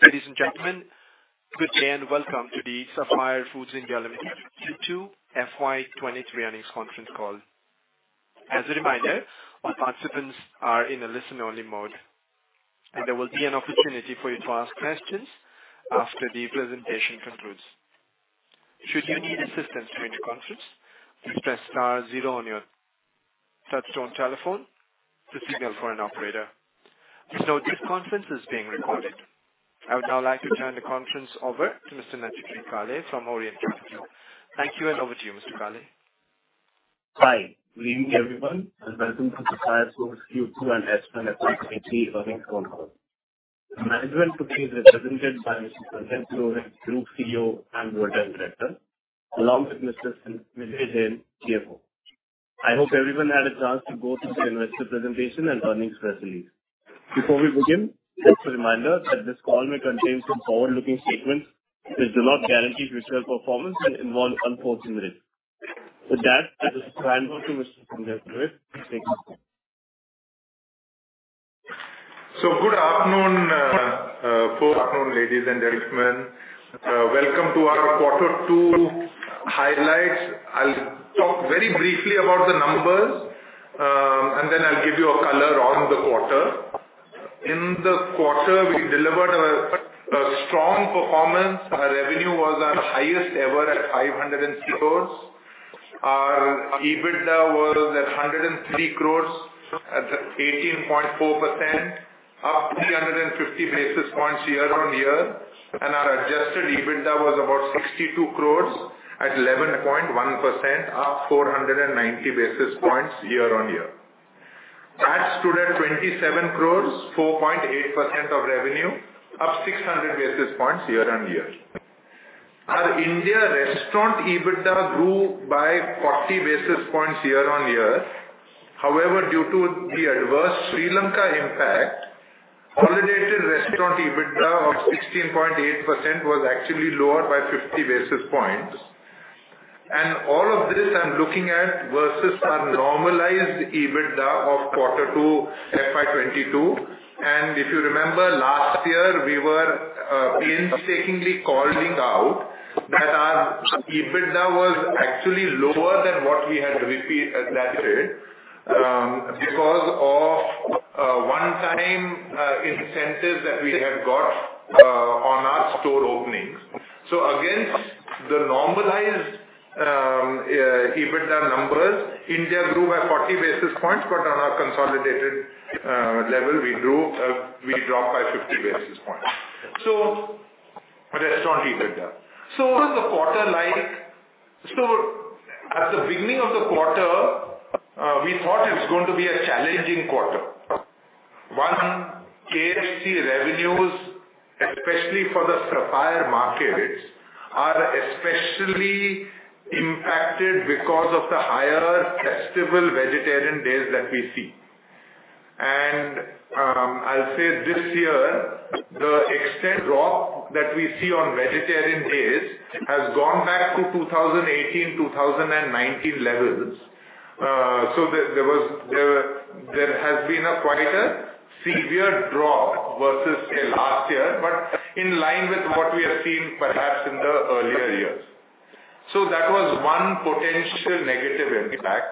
Ladies and gentlemen, good day and welcome to the Sapphire Foods India Limited Q2 FY 2023 earnings conference call. As a reminder, all participants are in a listen-only mode, and there will be an opportunity for you to ask questions after the presentation concludes. Should you need assistance during the conference, you can press star zero on your touchtone telephone to signal for an operator. This conference is being recorded. I would now like to turn the conference over to Mr. Nishith Parekh from Orient Capital. Thank you, and over to you, Mr. Parekh. Hi. Good evening, everyone, and welcome to Sapphire Foods Q2 and FY 2023 earnings call. Management today is represented by Mr. Sanjay Purohit, Group CEO and Managing Director, along with Mr. Vijay Jain, CFO. I hope everyone had a chance to go through the investor presentation and earnings press release. Before we begin, just a reminder that this call may contain some forward-looking statements which do not guarantee future performance and involve uncertain risks. With that, I'll just hand over to Mr. Sanjay Purohit to take us through. Good afternoon, ladies and gentlemen. Welcome to our Q2 highlights. I'll talk very briefly about the numbers, and then I'll give you a color on the quarter. In the quarter, we delivered a strong performance. Our revenue was our highest ever at 506 crore. Our EBITDA was at 103 crore at 18.4%, up 350 basis points year-on-year, and our adjusted EBITDA was about 62 crore at 11.1%, up 490 basis points year-on-year. That stood at 27 crore, 4.8% of revenue, up 600 basis points year-on-year. Our India restaurant EBITDA grew by 40 basis points year-on-year. However, due to the adverse Sri Lanka impact, consolidated restaurant EBITDA of 16.8% was actually lower by 50 basis points. All of this I'm looking at versus our normalized EBITDA of Q2 FY 2022. If you remember last year, we were painstakingly calling out that our EBITDA was actually lower than what we had repeated that year because of one-time incentives that we had got on our store openings. Against the normalized EBITDA numbers, India grew by 40 basis points, but on our consolidated level, we dropped by 50 basis points. Restaurant EBITDA. What was the quarter like? At the beginning of the quarter, we thought it was going to be a challenging quarter. One, KFC revenues, especially for the Sapphire markets, are especially impacted because of the higher festival vegetarian days that we see. I'll say this year, the extent drop that we see on vegetarian days has gone back to 2018, 2019 levels. So there has been quite a severe drop versus, say, last year, but in line with what we have seen perhaps in the earlier years. That was one potential negative impact.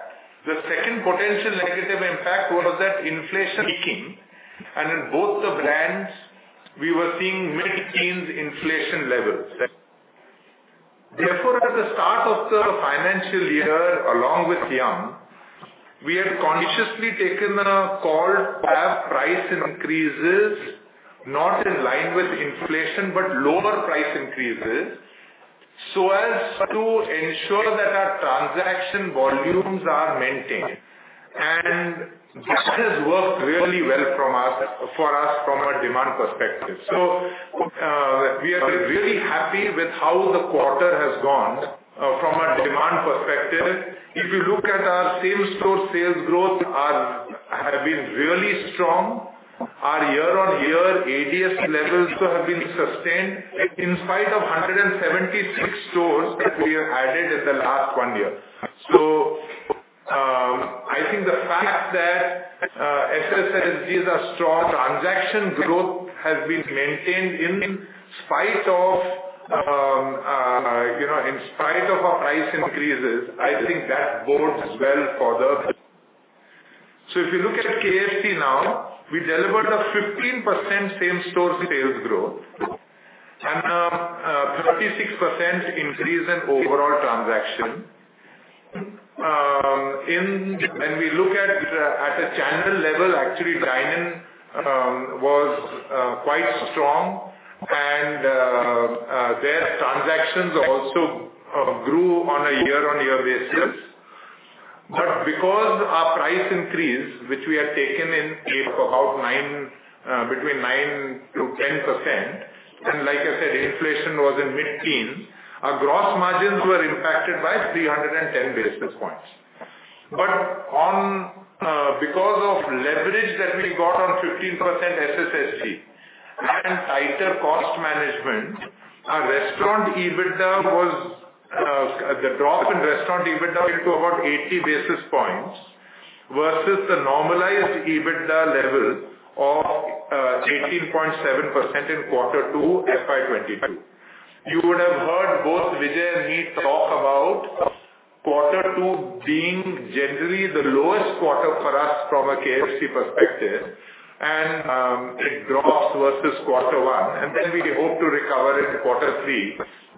The second potential negative impact was that inflation peaking, and in both the brands we were seeing mid-teens inflation levels. Therefore, at the start of the financial year along with Yum, we had consciously taken a call to have price increases, not in line with inflation, but lower price increases, so as to ensure that our transaction volumes are maintained. That has worked really well for us from a demand perspective. We are really happy with how the quarter has gone from a demand perspective. If you look at our same-store sales growth have been really strong. Our year-on-year ADS levels have been sustained in spite of 176 stores that we have added in the last one year. I think the fact that SSSG is a strong transaction growth has been maintained in spite of our price increases. I think that bodes well for the business. If you look at KFC now, we delivered a 15% same-store sales growth and a 36% increase in overall transaction. When we look at the channel level, actually dine-in was quite strong and their transactions also grew on a year-on-year basis. Because our price increase, which we have taken in about nine, between 9%-10%, and like I said, inflation was in mid-teens, our gross margins were impacted by 310 basis points. Because of leverage that we got on 15% SSSG and tighter cost management, restaurant EBITDA was the drop in restaurant EBITDA to about 80 basis points versus the normalized EBITDA level of 18.7% in Q2 FY 2022. You would have heard both Vijay and me talk about Q2 being generally the lowest quarter for us from a KFC perspective and it drops versus Q1, and then we hope to recover in Q3,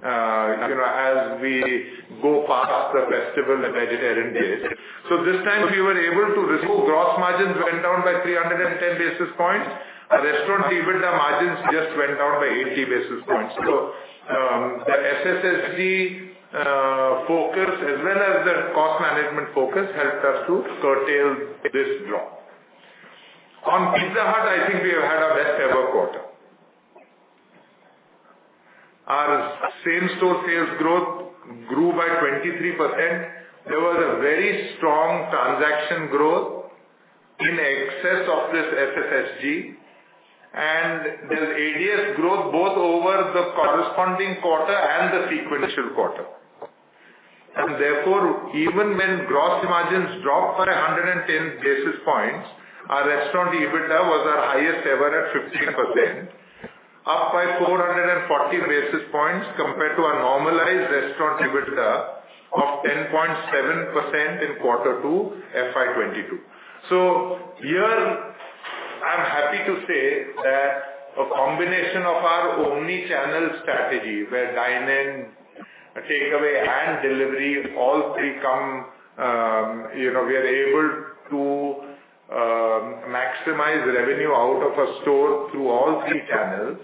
as we go past the festival and Eid days. This time we were able to reduce gross margins went down by 310 basis points. Restaurant EBITDA margins just went down by 80 basis points. The SSSG focus as well as the cost management focus helped us to curtail this drop. On Pizza Hut, I think we have had our best ever quarter. Our same-store sales growth grew by 23%. There was a very strong transaction growth in excess of this SSSG and there's ADS growth both over the corresponding quarter and the sequential quarter. Therefore, even when gross margins dropped by 110 basis points, our restaurant EBITDA was our highest ever at 15%, up by 440 basis points compared to our normalized restaurant EBITDA of 10.7% in Q2 FY 2022. Here I'm happy to say that a combination of our omni-channel strategy where dine-in, takeaway, and delivery, all three come, you know, we are able to maximize revenue out of a store through all three channels,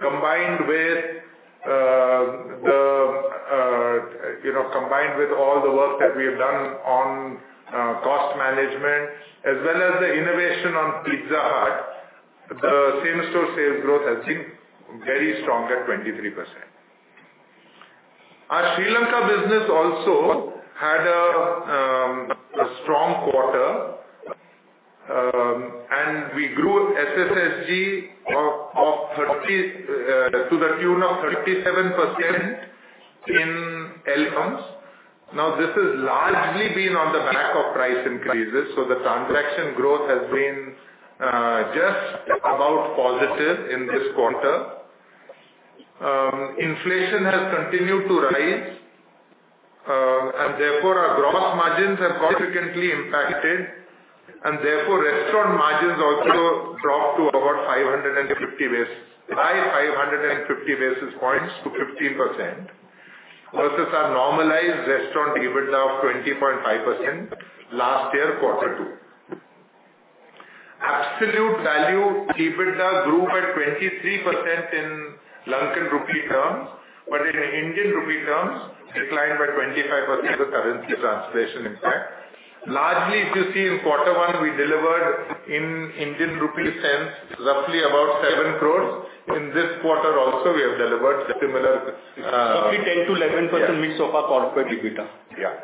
combined with you know all the work that we have done on cost management as well as the innovation on Pizza Hut, the same-store sales growth has been very strong at 23%. Our Sri Lanka business also had a strong quarter, and we grew SSSG to the tune of 37% in LKR terms. This has largely been on the back of price increases, so the transaction growth has been just about positive in this quarter. Inflation has continued to rise, and therefore our gross margins are consequently impacted, and therefore, restaurant margins also dropped by 550 basis points to 15% versus our normalized restaurant EBITDA of 20.5% last year, Q2. Absolute value EBITDA grew by 23% in LKR terms, but in INR terms declined by 25% with currency translation impact. Largely, if you see in Q1 we delivered in INR terms roughly about 7 crore. In this quarter also we have delivered similar. Roughly 10%-11% mix of our corporate EBITDA. Yeah.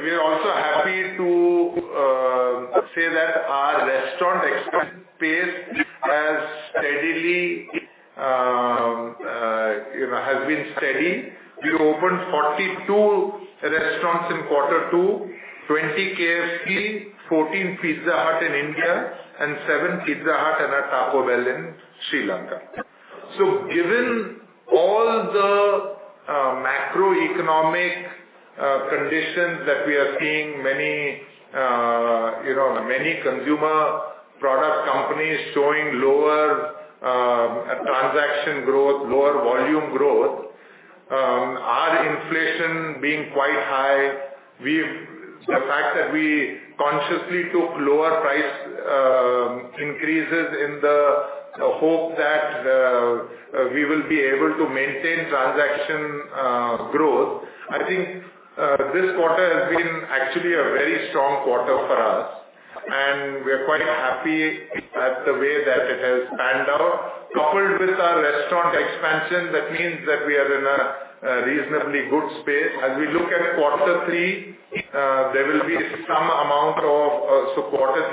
We are also happy to say that our restaurant expansion pace has steadily, you know, has been steady. We opened 42 restaurants in Q2, 20 KFC, 14 Pizza Hut in India, and 7 Pizza Hut and a Taco Bell in Sri Lanka. Given all the macroeconomic conditions that we are seeing many, you know, many consumer product companies showing lower transaction growth, lower volume growth, our inflation being quite high, the fact that we consciously took lower price increases in the hope that we will be able to maintain transaction growth. I think this quarter has been actually a very strong quarter for us, and we are quite happy at the way that it has panned out. Coupled with our restaurant expansion, that means that we are in a reasonably good space. As we look at Q3, Q3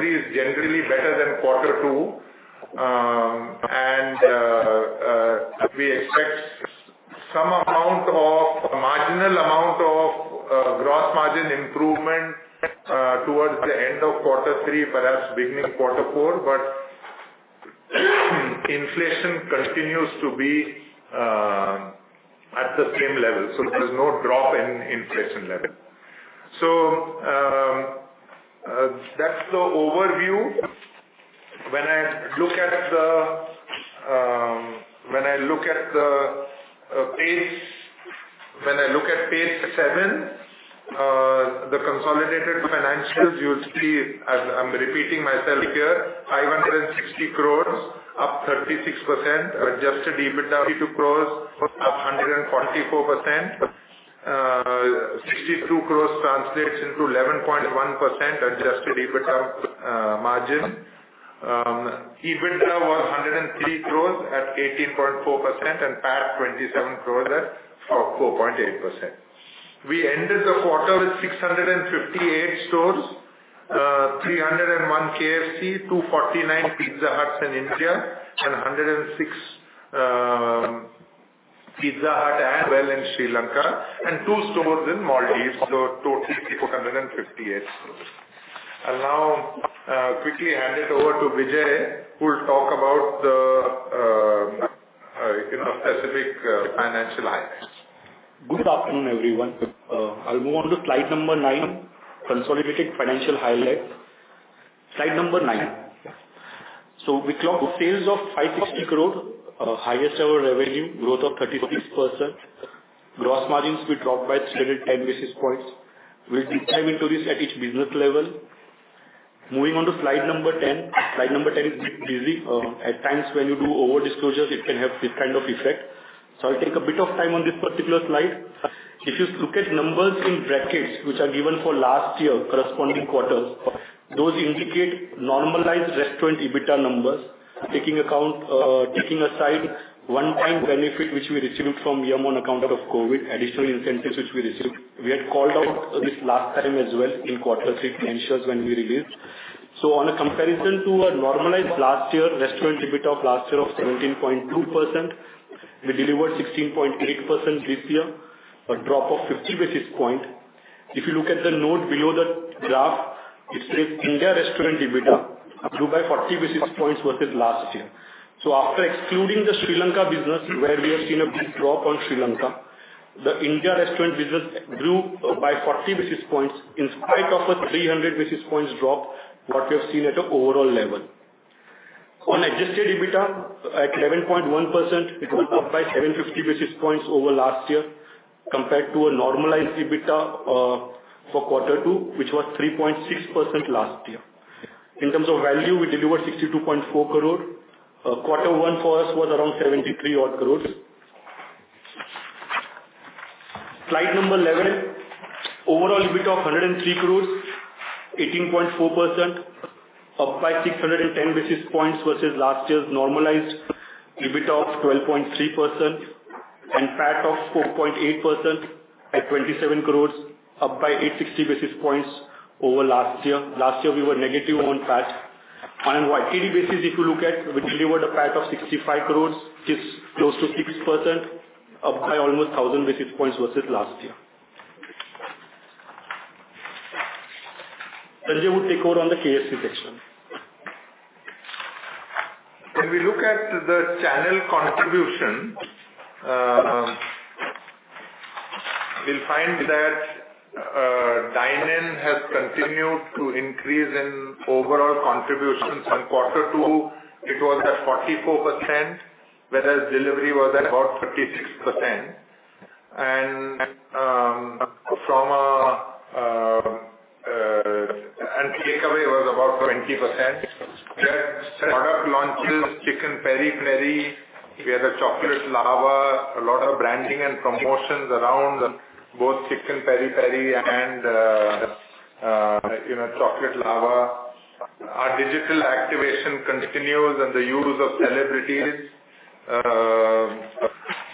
is generally better than Q2. We expect marginal amount of gross margin improvement towards the end of Q3, perhaps beginning Q4, but inflation continues to be at the same level, so there is no drop in inflation level. That's the overview. When I look at page 7, the consolidated financials, you'll see as I'm repeating myself here, 560 crores, up 36%. Adjusted EBITDA, 32 crores, up 144%. 62 crores translates into 11.1% adjusted EBITDA margin. EBITDA 103 crores at 18.4% and PAT 27 crores at 4.8%. We ended the quarter with 658 stores, 301 KFC, 249 Pizza Huts in India, and 106 Pizza Hut and Taco Bell in Sri Lanka, and 2 stores in Maldives. Total 658 stores. I'll now quickly hand it over to Vijay, who will talk about the, you know, specific financial highlights. Good afternoon, everyone. I'll move on to slide number nine, consolidated financial highlights. Slide number 9. We clocked sales of 560 crore, highest ever revenue growth of 36%. Gross margins we dropped by ten basis points. We'll dive into this at each business level. Moving on to slide number 10. Slide number ten is a bit busy. At times when you do over-disclosures, it can have this kind of effect. I'll take a bit of time on this particular slide. If you look at numbers in brackets, which are given for last year corresponding quarters, those indicate normalized restaurant EBITDA numbers. Taking aside one-time benefit, which we received from YUM on account of COVID, additional incentives which we received. We had called out this last time as well in Q3 financials when we released. On a comparison to a normalized last year, restaurant EBITDA of last year of 17.2%, we delivered 16.8% this year, a drop of 50 basis points. If you look at the note below the graph, it says India restaurant EBITDA grew by 40 basis points versus last year. After excluding the Sri Lanka business where we have seen a big drop on Sri Lanka, the India restaurant business grew by 40 basis points in spite of the 300 basis points drop what we have seen at an overall level. On adjusted EBITDA at 11.1%, it went up by 750 basis points over last year compared to a normalized EBITDA for Q2, which was 3.6% last year. In terms of value, we delivered 62.4 crore. Q1 for us was around 73-odd crores. Slide 11. Overall EBITDA of 103 crores, 18.4%, up by 610 basis points versus last year's normalized EBITDA of 12.3% and PAT of 4.8% at 27 crores, up by 860 basis points over last year. Last year we were negative on PAT. On YTD basis if you look at, we delivered a PAT of 65 crores, which is close to 6%, up by almost 1,000 basis points versus last year. Sanjay will take over on the KFC section. When we look at the channel contribution, we'll find that dine-in has continued to increase in overall contributions. In Q2, it was at 44%, whereas delivery was at about 36%. Takeaway was about 20%. We had product launches, Peri Peri Chicken. We had a Choco Lava Cake, a lot of branding and promotions around both Peri Peri Chicken and you know, Choco Lava Cake. Our digital activation continues and the use of celebrities.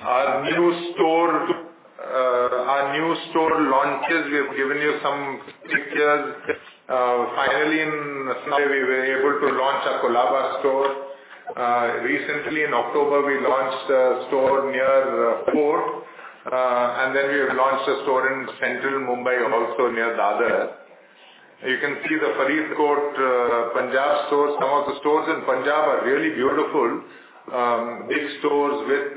Our new store launches, we have given you some pictures. Finally in February, we were able to launch our Colaba store. Recently in October, we launched a store near the port, and then we have launched a store in central Mumbai also near Dadar. You can see the Faridkot, Punjab store. Some of the stores in Punjab are really beautiful. Big stores with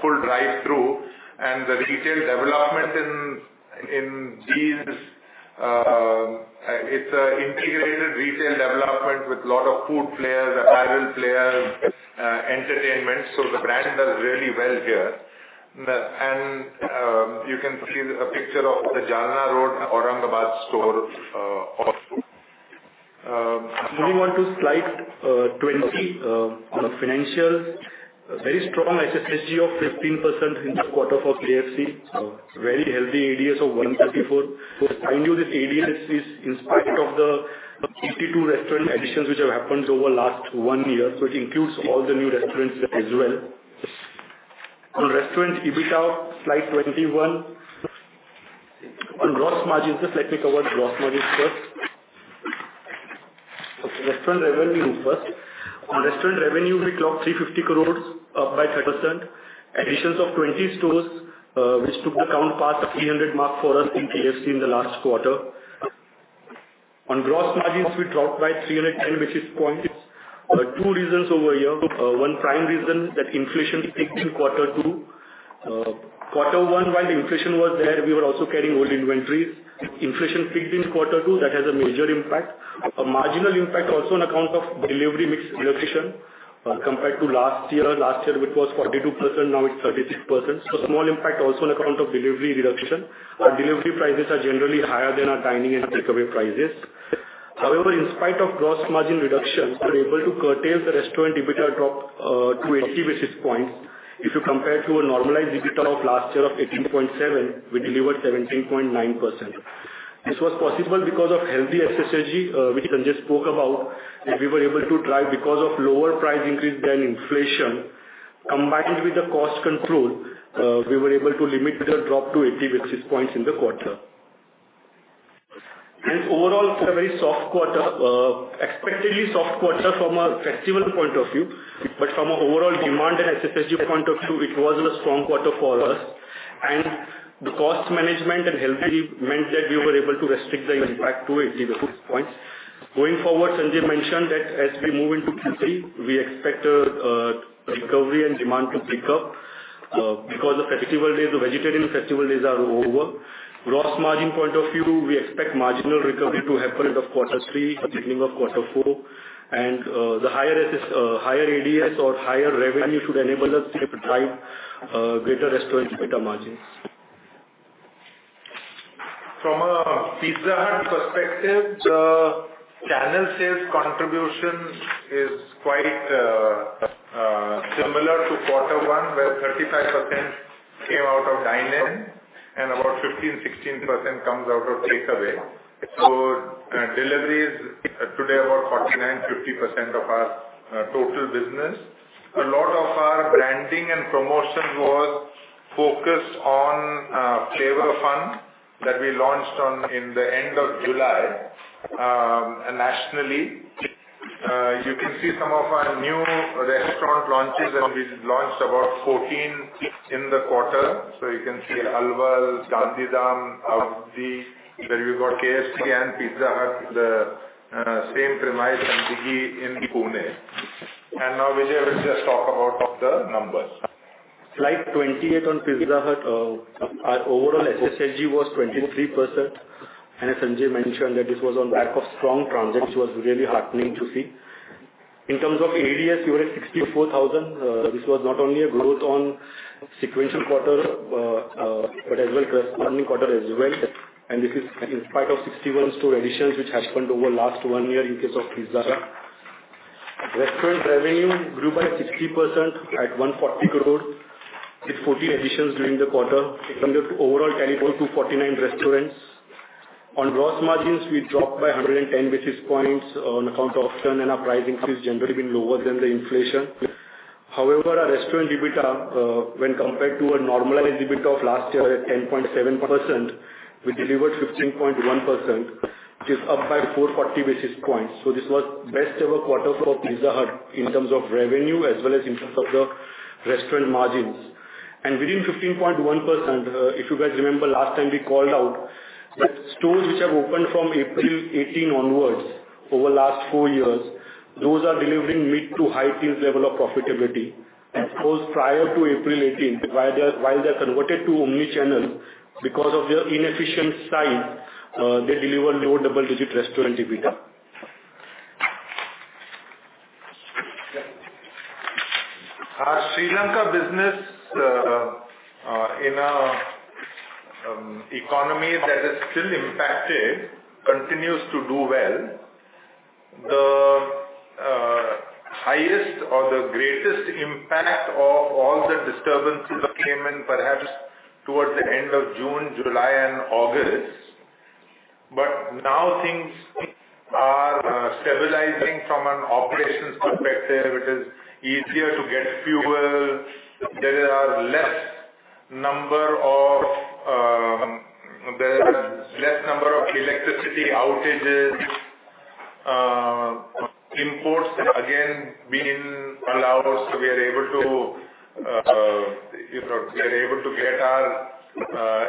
full drive-through and the retail development in these, it's an integrated retail development with lot of food players, apparel players, entertainment. The brand does really well here. You can see a picture of the Jalna Road, Aurangabad store also. Moving on to slide 20 on financials. Very strong SSSG of 15% in the quarter for KFC. Very healthy ADS of 134. Mind you, this ADS is in spite of the 52 restaurant additions which have happened over last one year. It includes all the new restaurants as well. On restaurant EBITDA, slide 21. On gross margins, just let me cover gross margins first. Restaurant revenue first. On restaurant revenue, we clocked 350 crores, up by 3%. Additions of 20 stores, which took the count past the 300 mark for us in KFC in the last quarter. On gross margins, we dropped by 310 basis points. Two reasons over here. One prime reason that inflation peaked in Q2. Q1, while inflation was there, we were also carrying old inventories. Inflation peaked in Q2. That has a major impact. A marginal impact also on account of delivery mix reduction, compared to last year. Last year it was 42%, now it's 36%. Small impact also on account of delivery reduction. Our delivery prices are generally higher than our dining and takeaway prices. However, in spite of gross margin reductions, we're able to curtail the restaurant EBITDA drop to 80 basis points. If you compare to a normalized EBITDA of last year of 18.7%, we delivered 17.9%. This was possible because of healthy SSSG, which Sanjay spoke about, and we were able to drive because of lower price increase than inflation. Combined with the cost control, we were able to limit the drop to 80 basis points in the quarter. Overall, it's a very soft quarter, expectedly soft quarter from a festival point of view, but from an overall demand and SSSG point of view, it was a strong quarter for us. The cost management and health meant that we were able to restrict the impact to 80 basis points. Going forward, Sanjay mentioned that as we move into Q3, we expect a recovery and demand to pick up, because the festival days, the vegetarian festival days are over. Gross margin point of view, we expect marginal recovery to happen in the Q3 or beginning of Q4. The higher higher ADS or higher revenue should enable us to drive greater restaurant EBITDA margins. From a Pizza Hut perspective, the channel sales contribution is quite similar to Q1, where 35% came out of dine-in and about 15%, 16% comes out of takeaway. Delivery is today about 49%-50% of our total business. A lot of our branding and promotions was focused on Flavor Fun that we launched on in the end of July nationally. You can see some of our new restaurant launches, and we launched about 14, 15 in the quarter. You can see Alwal, Gandhidham, Abids, where we've got KFC and Pizza Hut, the same premise in Vikhroli in Pune. Now Vijay will just talk about the numbers. Slide 28 on Pizza Hut. Our overall SSSG was 23%. As Sanjay mentioned that this was on the back of strong transactions, it was really heartening to see. In terms of ADS, we were at 64,000. This was not only a growth over sequential quarter, but as well as corresponding quarter as well. This is in spite of 61 store additions, which has happened over last one year in case of Pizza Hut. Restaurant revenue grew by 60% at 140 crore with 40 additions during the quarter, it comes to overall tally to 49 restaurants. On gross margins, we dropped by 110 basis points on account of churn and our price increase generally been lower than the inflation. However, our restaurant EBITDA, when compared to a normalized EBITDA of last year at 10.7%, we delivered 15.1%, which is up by 440 basis points. This was best ever quarter for Pizza Hut in terms of revenue as well as in terms of the restaurant margins. Within 15.1%, if you guys remember last time we called out that stores which have opened from April 2018 onwards over the last four years, those are delivering mid to high teens level of profitability. Those prior to April 2018, while they're converted to omni-channel because of their inefficient size, they deliver low double-digit restaurant EBITDA. Our Sri Lanka business, in a economy that is still impacted continues to do well. The highest or the greatest impact of all the disturbances came in perhaps towards the end of June, July and August. Now things are stabilizing from an operations perspective. It is easier to get fuel. There are less number of electricity outages. Imports again being allowed, so we are able to you know get our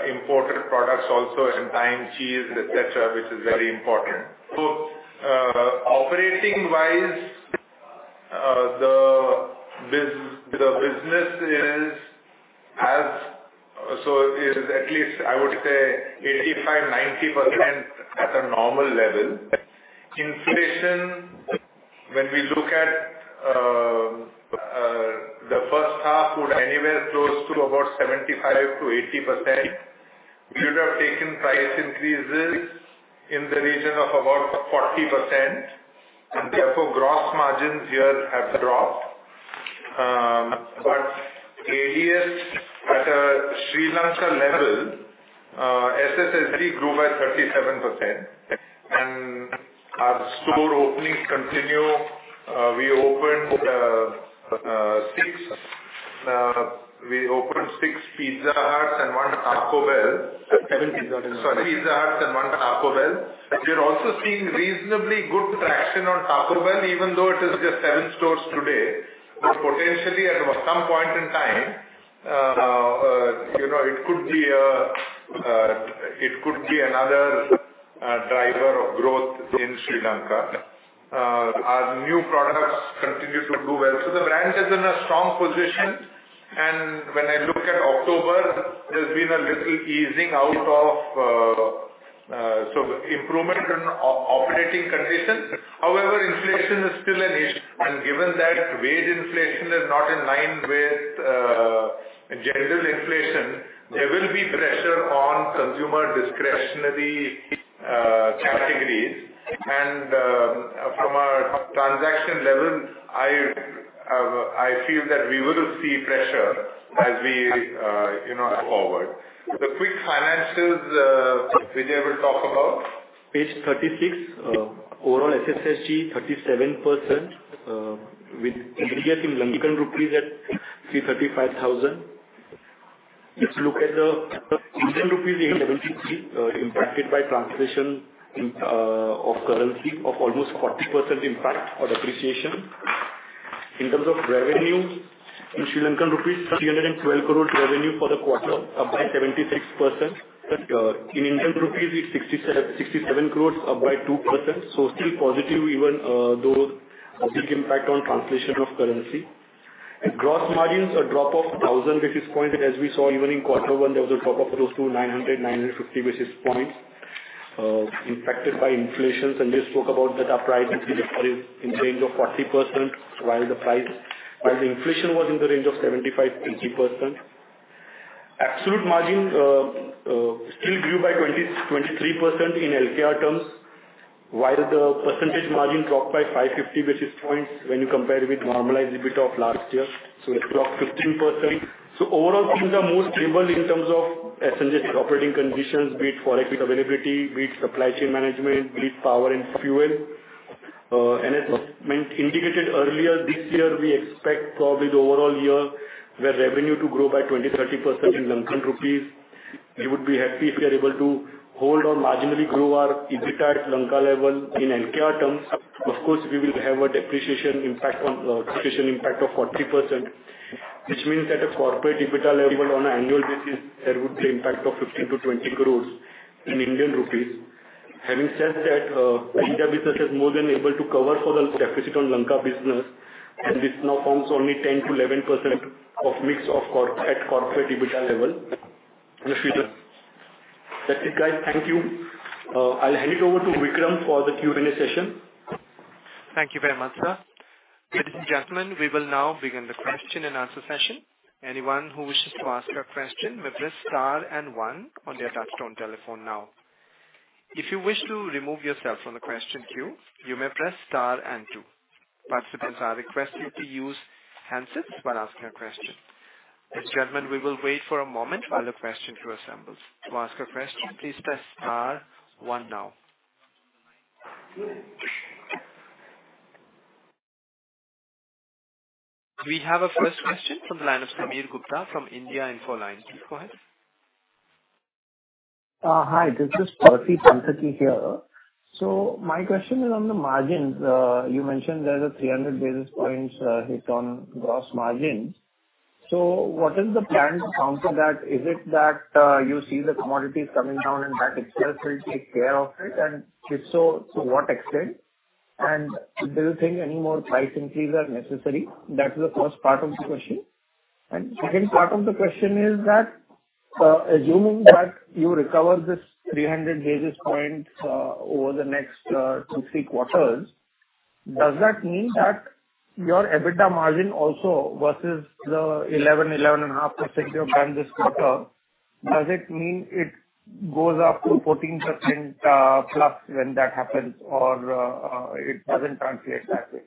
imported products also in time, cheese, et cetera, which is very important. Operating wise, the business is at least I would say 85%-90% at a normal level. Inflation, when we look at, the H1 would anywhere close to about 75%-80%. We would have taken price increases in the region of about 40% and therefore gross margins here have dropped. ADS at a Sri Lanka level, SSSG grew by 37%. Our store openings continue. We opened six Pizza Huts and one Taco Bell. Seven Pizza Huts. Sorry, Pizza Hut's and one Taco Bell. We are also seeing reasonably good traction on Taco Bell, even though it is just seven stores today. Potentially at some point in time, you know, it could be another driver of growth in Sri Lanka. Our new products continue to do well. The brand is in a strong position. When I look at October, there's been a little easing out of so improvement in operating condition. However, inflation is still an issue. Given that wage inflation is not in line with general inflation, there will be pressure on consumer discretionary. From our transaction level, I feel that we will see pressure as we you know go forward. The quick financials, Vijay will talk about. Page 36, overall SSSG 37%, with EBITDA in Lankan rupees at LKR 335 thousand. If you look at the Indian rupees, impacted by translation of currency of almost 40% impact or depreciation. In terms of revenue in Sri Lankan rupees, LKR 312 crore revenue for the quarter, up by 76%. In Indian rupees it's 67 crores, up by 2%. Still positive even though a big impact on translation of currency. Gross margins dropped 1,000 basis points as we saw even in Q1, there was a drop of close to 950 basis points, impacted by inflation. We spoke about that our price increase are in the range of 40% while the inflation was in the range of 75%-80%. Absolute margin still grew by 23% in LKR terms, while the percentage margin dropped by 550 basis points when you compare with normalized EBITDA of last year, so it dropped 15%. Overall things are more stable in terms of Sri Lanka operating conditions, be it forex availability, be it supply chain management, be it power and fuel. As mentioned earlier, this year we expect probably the overall year where revenue to grow by 20%-30% in Lankan rupees. We would be happy if we are able to hold or marginally grow our EBITDA at Lanka level in LKR terms. Of course, we will have a depreciation impact of 40%, which means at a corporate EBITDA level on an annual basis, there would be impact of 15-20 crore in Indian rupees. Having said that, India business is more than able to cover for the deficit on Lanka business, and this now forms only 10%-11% of mix at corporate EBITDA level in the future. That's it, guys. Thank you. I'll hand it over to Vikram for the Q&A session. Thank you very much, sir. Ladies and gentlemen, we will now begin the question and answer session. Anyone who wishes to ask a question may press Star and one on their touchtone telephone now. If you wish to remove yourself from the question queue, you may press Star and two. Participants are requested to use handsets while asking a question. Ladies and gentlemen, we will wait for a moment while the question queue assembles. To ask a question, please press Star one now. We have a first question from the line of Sameer Gupta from India Infoline. Please go ahead. Hi. This is Percy Panthaki here. My question is on the margins. You mentioned there's a 300 basis points hit on gross margins. What is the plan to counter that? Is it that you see the commodities coming down and that itself will take care of it? If so, to what extent? Do you think any more price increases are necessary? That's the first part of the question. Second part of the question is that assuming that you recover this 300 basis points over the next two, three quarters, does that mean that your EBITDA margin also versus the 11%-11.5% you've done this quarter, does it mean it goes up to 14%+ when that happens or it doesn't translate that way?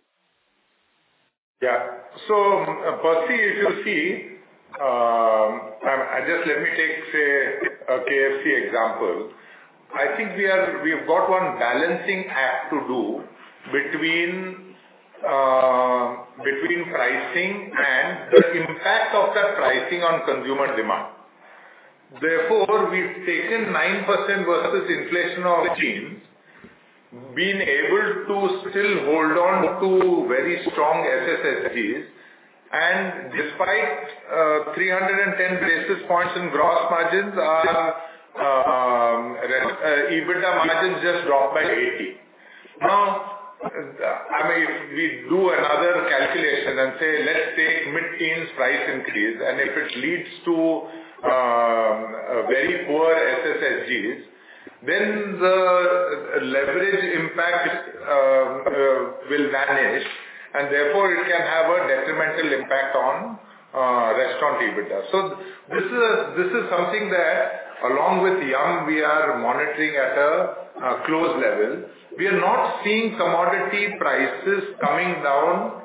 Yeah. Percy, if you see, I just let me take, say, a KFC example. I think we've got one balancing act to do between pricing and the impact of that pricing on consumer demand. Therefore, we've taken 9% versus inflation on menus, been able to still hold on to very strong SSSGs, and despite 310 basis points in gross margins, our EBITDA margins just dropped by 80. Now, I mean, if we do another calculation and say, let's take mid-teens price increase, and if it leads to a very poor SSSGs, then the leverage impact will vanish, and therefore it can have a detrimental impact on restaurant EBITDA. This is something that along with Yum, we are monitoring at a close level. We are not seeing commodity prices coming down,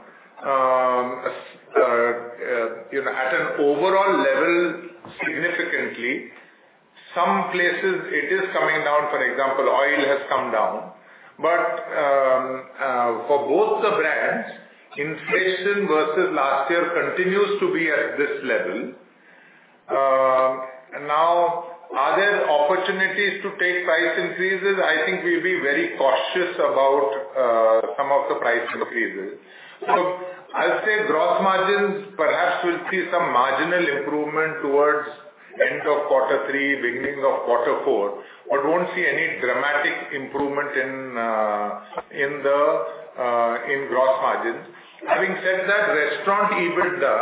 you know, at an overall level significantly. Some places it is coming down, for example, oil has come down. For both the brands, inflation versus last year continues to be at this level. Now are there opportunities to take price increases? I think we'll be very cautious about, some of the price increases. I'll say gross margins perhaps will see some marginal improvement towards end of Q3, beginning of Q4, but won't see any dramatic improvement in the, in gross margins. Having said that, restaurant EBITDA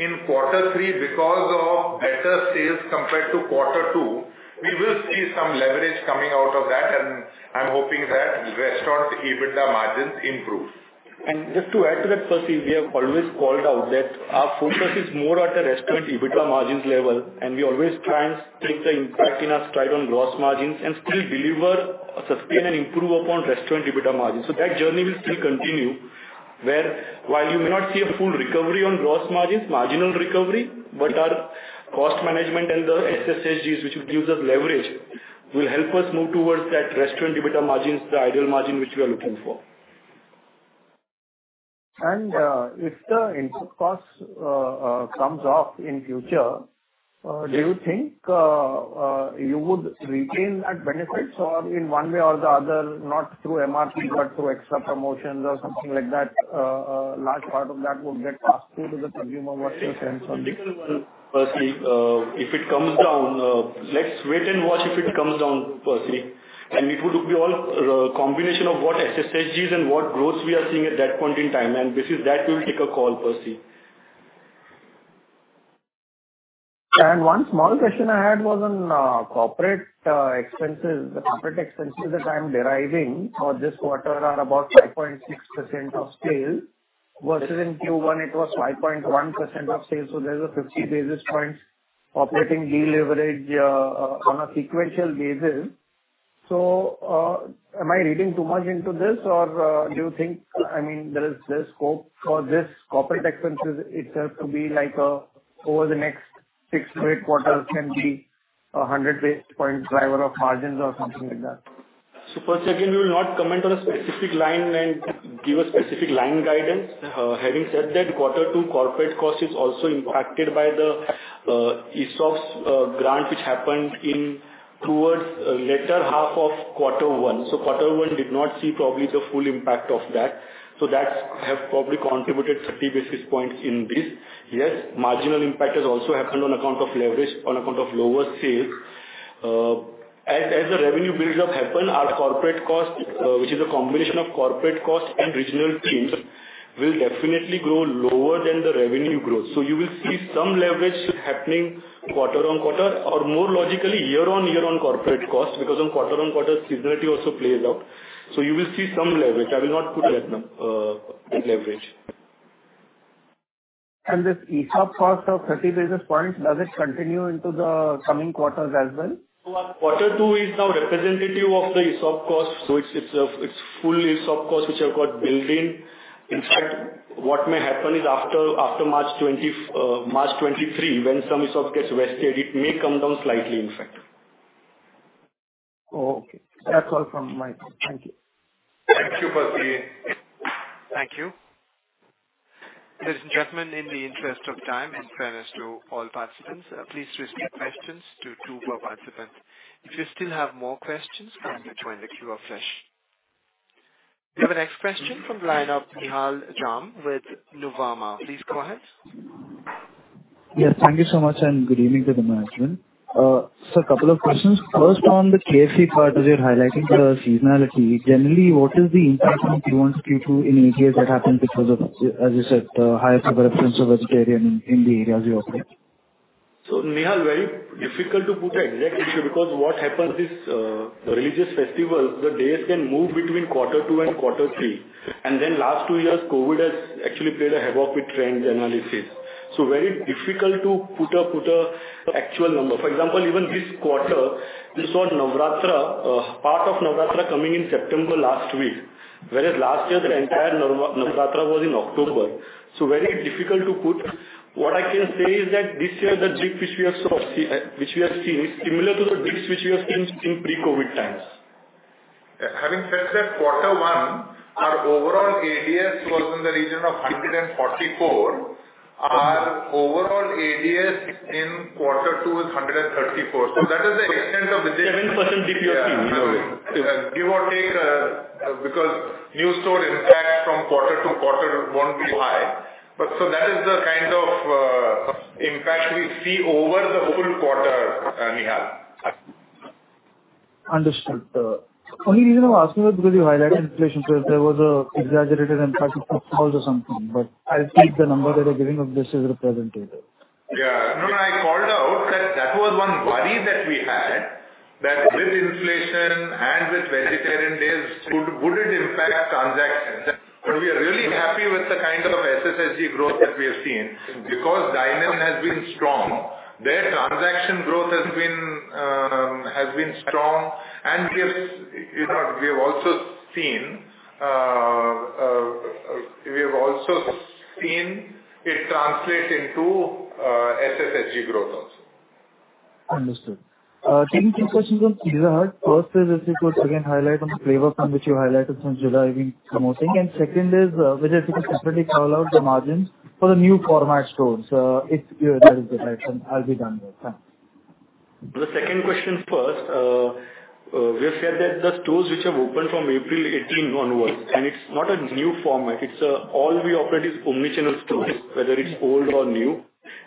in Q3 because of better sales compared to Q2, we will see some leverage coming out of that, and I'm hoping that restaurant EBITDA margins improve. Just to add to that, Percy, we have always called out that our focus is more at a restaurant EBITDA margins level, and we always try and take the impact in our stride on gross margins and still deliver, sustain, and improve upon restaurant EBITDA margins. That journey will still continue where while you may not see a full recovery on gross margins, marginal recovery, but our cost management and the SSSGs, which gives us leverage, will help us move towards that restaurant EBITDA margins, the ideal margin which we are looking for. If the input cost comes off in future, do you think you would retain that benefit or in one way or the other, not through MRP, but through extra promotions or something like that, large part of that would get passed through to the consumer? What's your sense on this? Look, Percy, if it comes down, let's wait and watch if it comes down, Percy. It would be a combination of what SSSG is and what growth we are seeing at that point in time. Based on that, we will take a call, Percy. One small question I had was on corporate expenses. The corporate expenses that I'm deriving for this quarter are about 5.6% of sales, versus in Q1 it was 5.1% of sales. There's a 50 basis points operating deleverage on a sequential basis. Am I reading too much into this or do you think, I mean, there is the scope for this corporate expenses itself to be like over the next 6 quarters-8 quarters can be a 100 basis points driver of margins or something like that? First, again, we will not comment on a specific line and give a specific line guidance. Having said that, Q2 corporate cost is also impacted by the ESOPs grant which happened in towards latter half of Q1. Q1 did not see probably the full impact of that. That's have probably contributed 30 basis points in this. Yes, marginal impact has also happened on account of leverage, on account of lower sales. As the revenue builds up happen, our corporate cost, which is a combination of corporate cost and regional teams, will definitely grow lower than the revenue growth. You will see some leverage happening quarter-over-quarter or more logically year-over-year on corporate cost because on quarter-over-quarter seasonality also plays out. You will see some leverage. I will not put a number on leverage. This ESOP cost of 30 basis points, does it continue into the coming quarters as well? Q2 is now representative of the ESOP costs, so it's full ESOP costs which have got built in. In fact, what may happen is after March 2023, when some ESOP gets vested, it may come down slightly in fact. Oh, okay. That's all from my side. Thank you. Thank you, Percy. Thank you. Ladies and gentlemen, in the interest of time and fairness to all participants, please restrict questions to two per participant. If you still have more questions, kindly join the queue afresh. We have the next question from the line of Nihal Jham with Nuvama. Please go ahead. Yes, thank you so much and good evening to the management. A couple of questions. First, on the KFC part, you're highlighting the seasonality. Generally, what is the impact on Q1 to Q2 in ADS that happens because of, as you said, the higher prevalence of vegetarian in the areas you operate? Nihal Jham, very difficult to put an exact figure because what happens is, the religious festivals, the days can move between Q2 and Q3. Last two years, COVID has actually played havoc with trend analysis. Very difficult to put an actual number. For example, even this quarter we saw Navratri, part of Navratri coming in September last week, whereas last year the entire Navratri was in October. Very difficult to put. What I can say is that this year the dip which we have seen is similar to the dips which we have seen in pre-COVID times. Having said that, Q1, our overall ADS was in the region of 144. Our overall ADS in Q2 is 134. That is the extent of the dip. 7% dip you are seeing. Yeah. Give or take, because new store impact from quarter to quarter won't be high. That is the kind of impact we see over the whole quarter, Nihal. Understood. The only reason I'm asking is because you highlighted inflation. If there was an exaggerated and 36,000 something, but I think the number that you're giving of this is representative. Yeah. No, no, I called out that that was one worry that we had, that with inflation and with vegetarian days would it impact transactions? But we are really happy with the kind of SSSG growth that we have seen because dine-in has been strong. Their transaction growth has been strong. We have, you know, we have also seen it translate into SSSG growth also. Understood. Two quick questions on Pizza Hut. First is if you could again highlight on the flavor front which you highlighted since July we've been promoting. Second is, Vijay, if you could separately call out the margins for the new format stores, if that is the right term. I'll be done here. Thanks. The second question first. We have said that the stores which have opened from April 18 onwards, and it's not a new format. It's all we operate is omni-channel stores, whether it's old or new.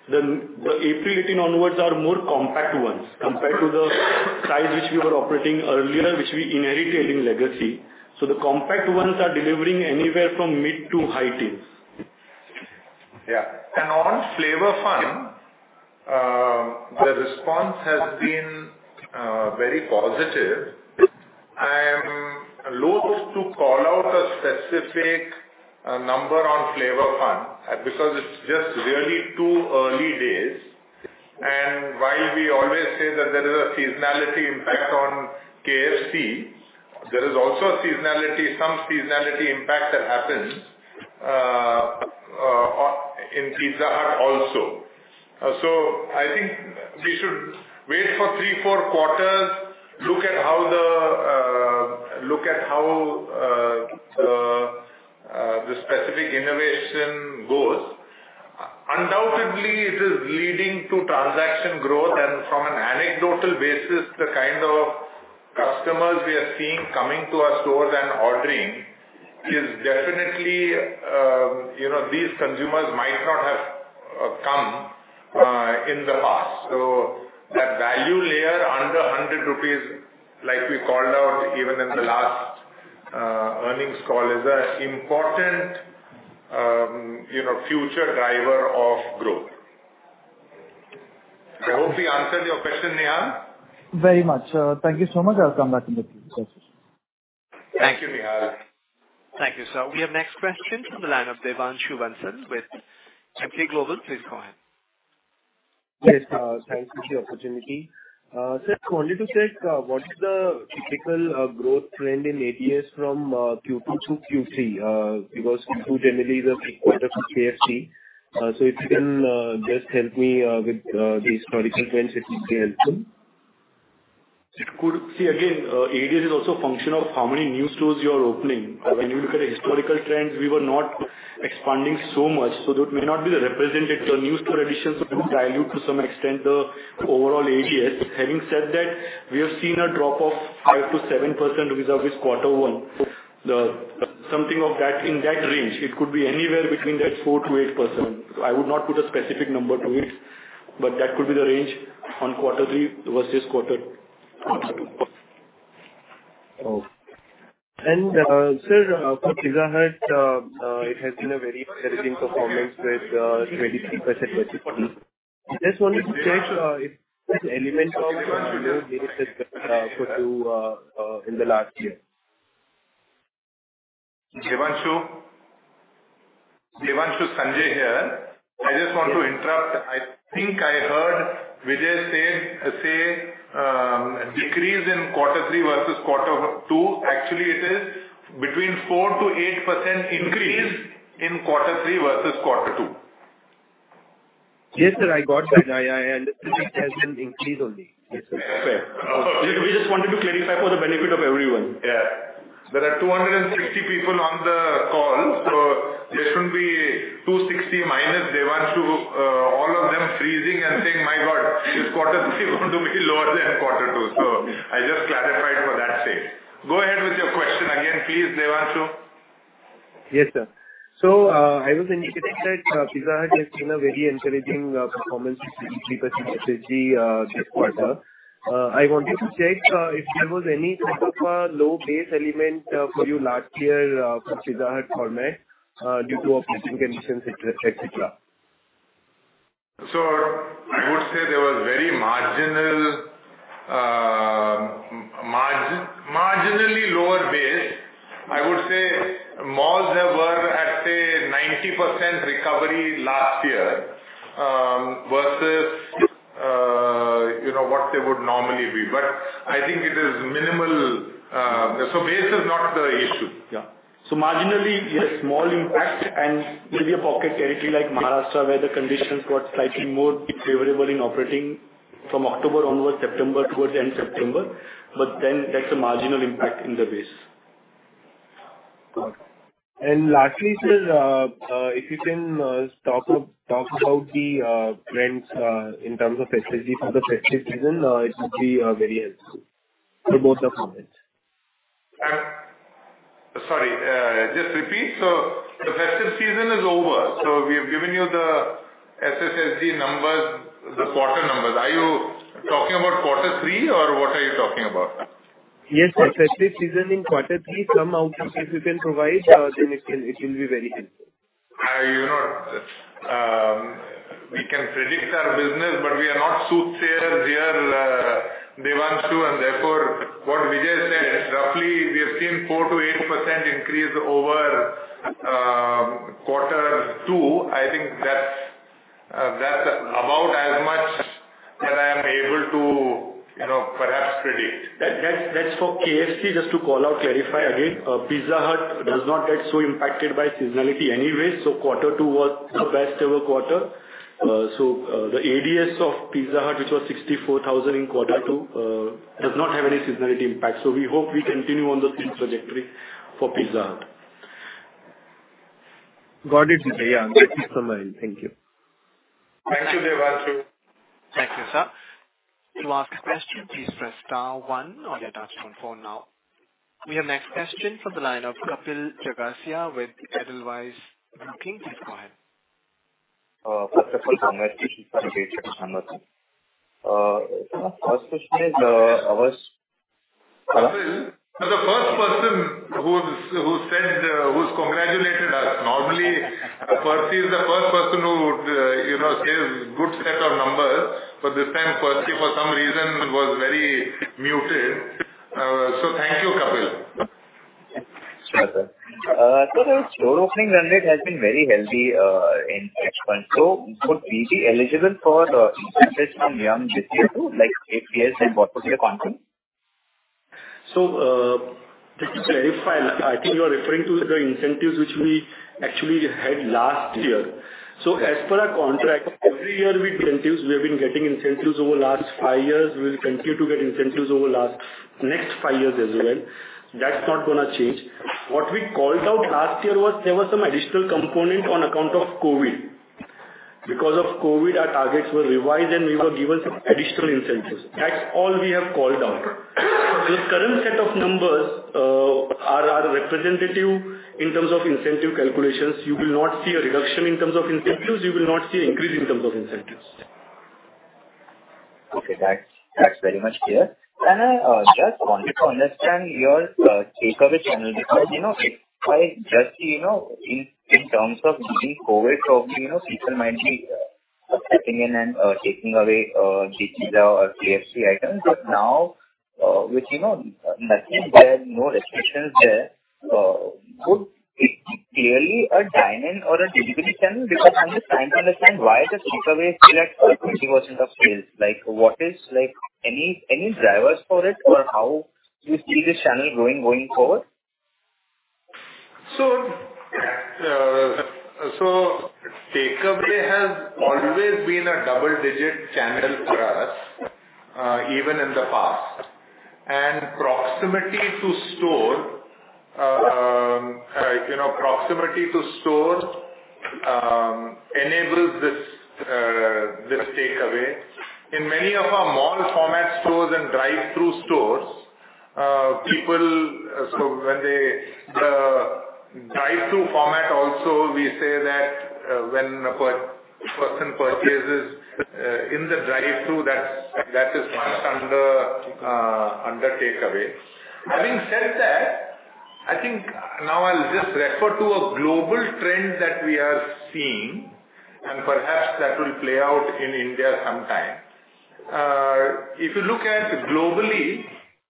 The April 18 onwards are more compact ones compared to the size which we were operating earlier, which we inherited in legacy. The compact ones are delivering anywhere from mid to high teens. On flavor front, response has been very positive. I am loath to call out a specific number on Flavor Fun because it's just really too early days. While we always say that there is a seasonality impact on KFC, there is also some seasonality impact that happens in Pizza Hut also. I think we should wait for three, four quarters, look at how the specific innovation goes. Undoubtedly, it is leading to transaction growth. From an anecdotal basis, the kind of customers we are seeing coming to our stores and ordering is definitely, you know, these consumers might not have come in the past. That value layer under 100 rupees, like we called out even in the last earnings call, is a important, you know, future driver of growth. I hope we answered your question, Nihal. Very much. Thank you so much. I'll come back with you. Thank you, Nihal Jham. Thank you, sir. We have next question from the line of Devanshu Bansal with Emkay Global. Please go ahead. Yes, thank you for the opportunity. Sir, I wanted to check what is the typical growth trend in ADS from Q2 to Q3, because Q2 generally is a peak quarter for KFC. If you can just help me with these historical trends, it will be helpful. ADS is also a function of how many new stores you are opening. When you look at historical trends, we were not expanding so much, so that may not be represented. The new store additions will dilute to some extent the overall ADS. Having said that, we have seen a drop of 5%-7% vis-a-vis Q1. Something of that, in that range. It could be anywhere between that 4%-8%. I would not put a specific number to it, but that could be the range on Q3 versus Q2. Sir, for Pizza Hut, it has been a very encouraging performance with 23% versus 20. Just wanted to check if there's element of low base in the last year. Devanshu, Sanjay here. I just want to interrupt. I think I heard Vijay say decrease in Q3 versus Q2. Actually, it is between 4%-8% increase in Q3 versus Q2. Yes, sir, I got that. I listed it as an increase only. Yes, sir. Fair. We just wanted to clarify for the benefit of everyone. There are 260 people on the call, so there shouldn't be 260 minus Devanshu, all of them freezing and saying, "My God, this Q3 going to be lower than Q2." I just clarified for that sake. Go ahead with your question again, please, Devanshu. Yes, sir. I was indicating that Pizza Hut has been a very encouraging performance with 23% SSG this quarter. I wanted to check if there was any type of a low base element for you last year for Pizza Hut format due to operating conditions, et cetera. I would say there was very marginally lower base. I would say malls that were at, say, 90% recovery last year, versus, you know, what they would normally be. I think it is minimal. Base is not the issue. Yeah. Marginally, yes, small impact and maybe a pocket territory like Maharashtra, where the conditions got slightly more favorable in operating from October onwards, September towards the end September, but then that's a marginal impact in the base. Lastly, sir, if you can talk about the trends in terms of SSG for the festive season, it would be very helpful for both the formats. Just repeat. The festive season is over, so we have given you the SSSG numbers, the quarter numbers. Are you talking about Q3 or what are you talking about? Yes, sir. Festive season in Q3, some outlook if you can provide, then it will be very helpful. You know, we can predict our business, but we are not soothsayers here, Devanshu, and therefore what Vijay said, roughly we have seen 4%-8% increase over Q2. I think that's about as much that I am able to, you know, perhaps predict. That's for KFC, just to call out, clarify again. Pizza Hut does not get so impacted by seasonality anyway, so Q2 was the best ever quarter. The ADS of Pizza Hut, which was 64,000 in Q2, does not have any seasonality impact. We hope we continue on the same trajectory for Pizza Hut. Got it, Vijay. Yeah. That is from my end. Thank you. Thank you, Devanshu. Thank you, sir. To ask a question, please press star one on your touch-tone phone now. We have next question from the line of Kapil Jagasia with Edelweiss Broking. Please go ahead. First of all, congratulations on a great set of numbers. First question is, I was- Kapil, you're the first person who's congratulated us. Normally, Percy is the first person who would say a good set of numbers. This time, Percy for some reason was very muted. Thank you, Kapil. Sure, sir. The store opening run rate has been very healthy in H1. Would we be eligible for the incentives It's very fine. I think you are referring to the incentives which we actually had last year. So, as per a contract every year we continue we have been getting incentives over last five years. We will continue to get incentives over last next five years, that's not gonna change. What we called out last year was there was some additional component on account of COVID. Because of COVID our targets were revised and we were given additional incentives. That's all we have called out. The current set of numbers, are our representative in terms of incentive calculations. You will not see a reduction in terms of incentives. You will not see increase in terms of incentives. Okay, that's that's very much clear. And I just wanted to understand your take And I just wanted to understand your take away channel because you know if in terms of GG COVID taking away GG's item but now, which you know nothing there no restrictions there. It's clearly a dine in or a delivery channel because understand why the take away like what is like any any drivers for it or how you see the channel going going forward? Take away has always been a double digit channel for us. Even in the past and proximity to store, you know proximity to store, enables this, take away. In many of our mall, format stores and drive through stores, people so, when they drive through format also we say that when person purchases in the drive through that that is under, under take away. I think said that I think now I'll just refer to a global trend that we are seeing and perhaps that will play out in India sometime. If you look at globally,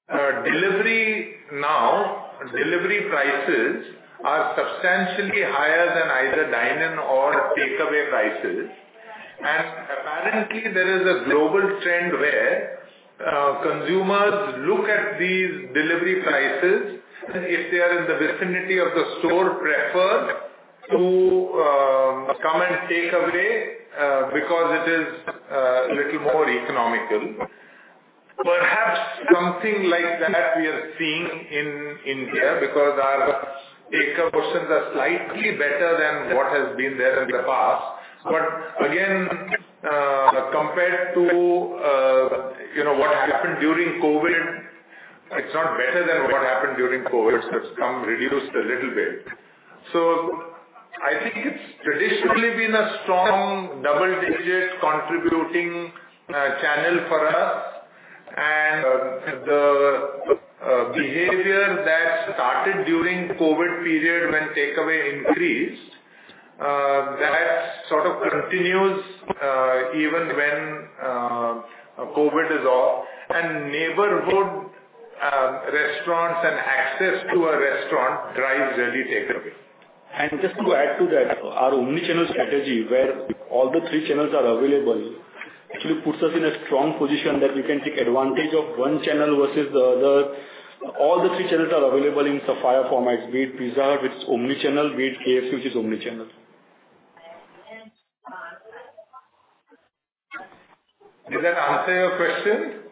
delivery now delivery prices are substantially higher than either dine in or take away prices. And apparently there is a global trend where consumers look at these delivery prices. If they are in the definitely of the store preferred to come and take away, because it is, little more economical. Perhaps something like that we are seeing in India because our take away percent are slightly better than what has been there in the past but again compared to, you know what happened during COVID it's not better than what happened during COVID. Just come reduce the little bit. I think it's traditionally been a strong double digit contributing channel and the, behavior that started during COVID period when take away increased that's sort of continues even when COVID is off and neighborhood, restaurants and access to a restaurant drives ready take away. Just to add to that, our omni-channel strategy where all the three channels are available actually puts us in a strong position that we can take advantage of one channel versus the other. All the three channels are available in Sapphire formats. Be it Pizza Hut, it's omni-channel, be it KFC, which is omni-channel. Does that answer your question?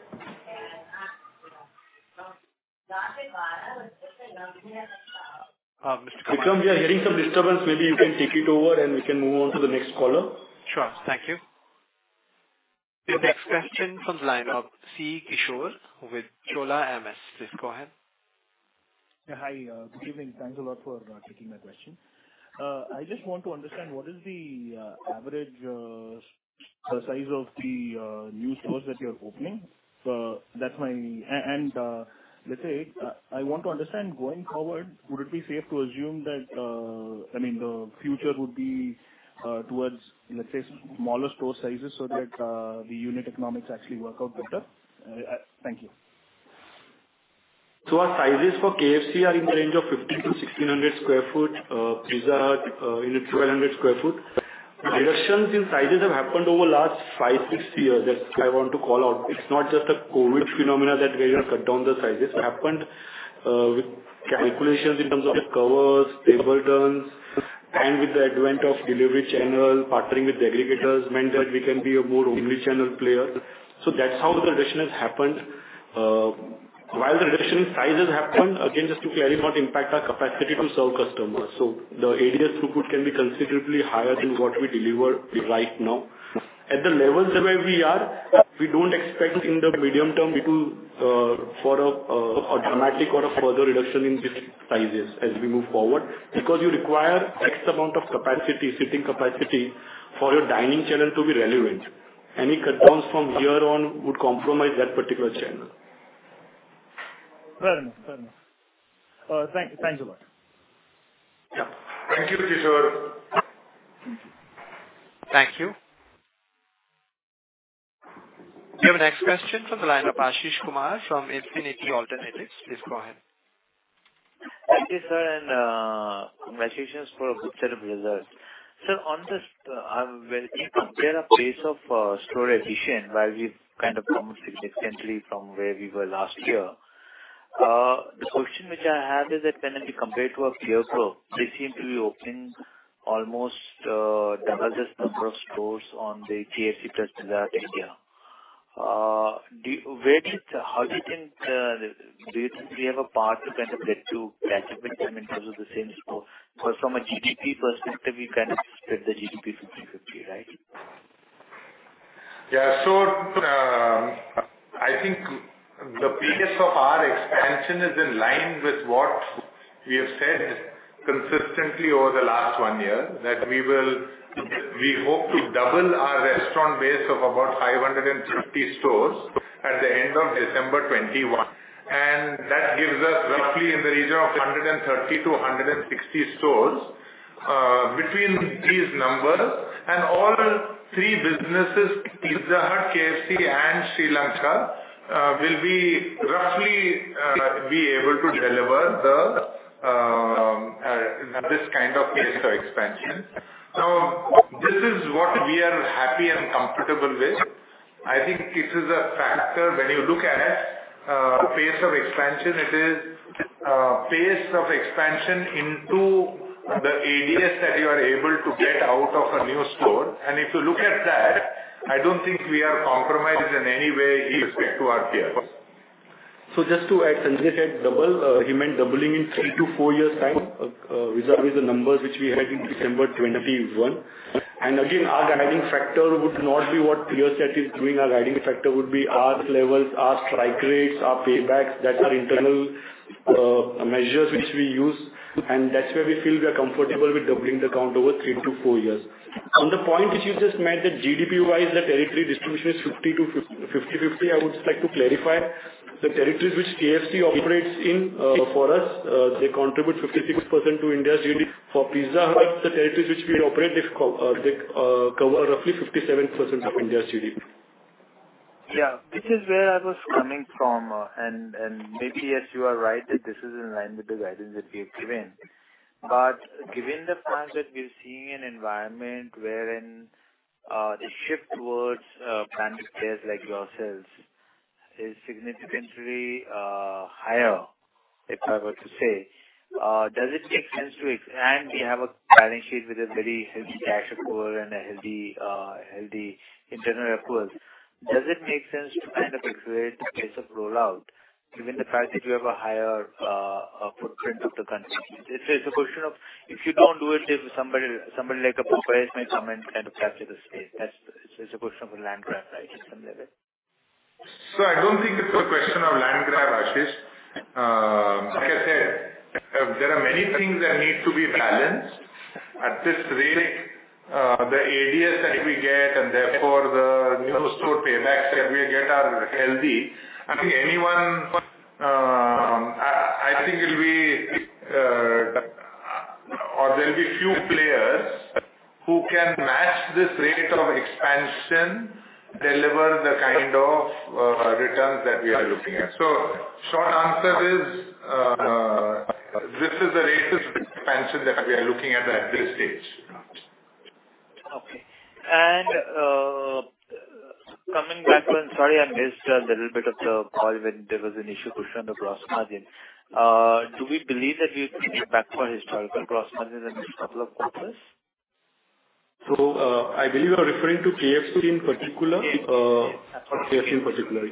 Vikram, we are hearing some disturbance. Maybe you can take it over, and we can move on to the next caller. Sure. Thank you. The next question comes in line of C. Kishor with Chola MS. Please go ahead. Yeah. Hi. Good evening. Thanks a lot for taking my question. I just want to understand what is the average size of the new stores that you're opening. And let's say, I want to understand going forward, would it be safe to assume that, I mean, the future would be towards, let's say, smaller store sizes so that the unit economics actually work out better? Thank you. Our sizes for KFC are in the range of 1,500 sq ft-1,600 sq ft. Pizza Hut in the 1,200 sq ft. Reductions in sizes have happened over last 5 years-6 years that I want to call out. It's not just a COVID phenomenon that we're gonna cut down the sizes. It happened with calculations in terms of the covers, table turns, and with the advent of delivery channel, partnering with aggregators meant that we can be a more omni-channel player. That's how the reduction has happened. While the reduction in sizes happened, again, just to clarify, it won't impact our capacity to serve customers. The area throughput can be considerably higher than what we deliver right now. At the levels where we are, we don't expect in the medium term it will for a dramatic or a further reduction in these sizes as we move forward because you require X amount of capacity, seating capacity for your dining channel to be relevant. Any cutdowns from here on would compromise that particular channel. Fair enough. Thanks a lot. Yeah. Thank you, Kishor. Thank you. We have our next question from the line of Ashish Kumar from Infinity Alternatives. Please go ahead. Thank you, sir, and congratulations for a good set of results. Sir, on this, when you compare a base of store addition, while we've kind of come significantly from where we were last year, the question which I have is that when we compare to our peer group, they seem to be opening almost double this number of stores on the KFC plus Pizza Hut India. How do you think we have a path to kind of get to catch up with them in terms of the SSSG? Because from a GDP perspective, you kind of split the GDP 50-50, right? I think the pace of our expansion is in line with what we have said consistently over the last one year, that we will, we hope to double our restaurant base of about 550 stores at the end of December 2021. That gives us roughly in the region of 130 stores-160 stores between these numbers. All three businesses, Pizza Hut, KFC, and Sri Lanka, will be roughly be able to deliver the this kind of pace of expansion. This is what we are happy and comfortable with. I think this is a factor when you look at pace of expansion. It is pace of expansion into the ADS that you are able to get out of a new store. If you look at that, I don't think we are compromised in any way with respect to our peers. Just to add, Sanjay said double. He meant doubling in 3 years-4 years' time, vis-à-vis the numbers which we had in December 2021. Again, our guiding factor would not be what peer set is doing. Our guiding factor would be our levels, our strike rates, our paybacks. That's our internal measures which we use, and that's where we feel we are comfortable with doubling the count over 3 years-4 years. On the point which you just made, that GDP-wise the territory distribution is 50-50, I would just like to clarify. The territories which KFC operates in, for us, they contribute 56% to India's GDP. For Pizza Hut, the territories which we operate, they cover roughly 57% of India's GDP. Yeah. This is where I was coming from. Maybe, yes, you are right that this is in line with the guidance that we have given. Given the fact that we're seeing an environment wherein the shift towards branded players like yourselves is significantly higher, if I were to say, does it make sense to expand? We have a balance sheet with a very healthy cash flow and a healthy internal accruals. Does it make sense to kind of accelerate the pace of rollout, given the fact that you have a higher footprint of the country? It's a question of if you don't do it, if somebody like a Popeyes may come and kind of capture the space. That's the. It's a question of a land grab, right, at some level. I don't think it's a question of land grab, Ashish. Like I said, there are many things that need to be balanced at this rate. The ADS that we get, and therefore the new store paybacks that we get are healthy. I think anyone, I think it'll be, or there'll be few players who can match this rate of expansion, deliver the kind of returns that we are looking at. Short answer is, this is the rate of expansion that we are looking at this stage. Sorry, I missed a little bit of the call when there was an initial question of gross margin. Do we believe that we'll get back to our historical gross margin in the next couple of quarters? I believe you're referring to KFC in particular. Yes. KFC in particular.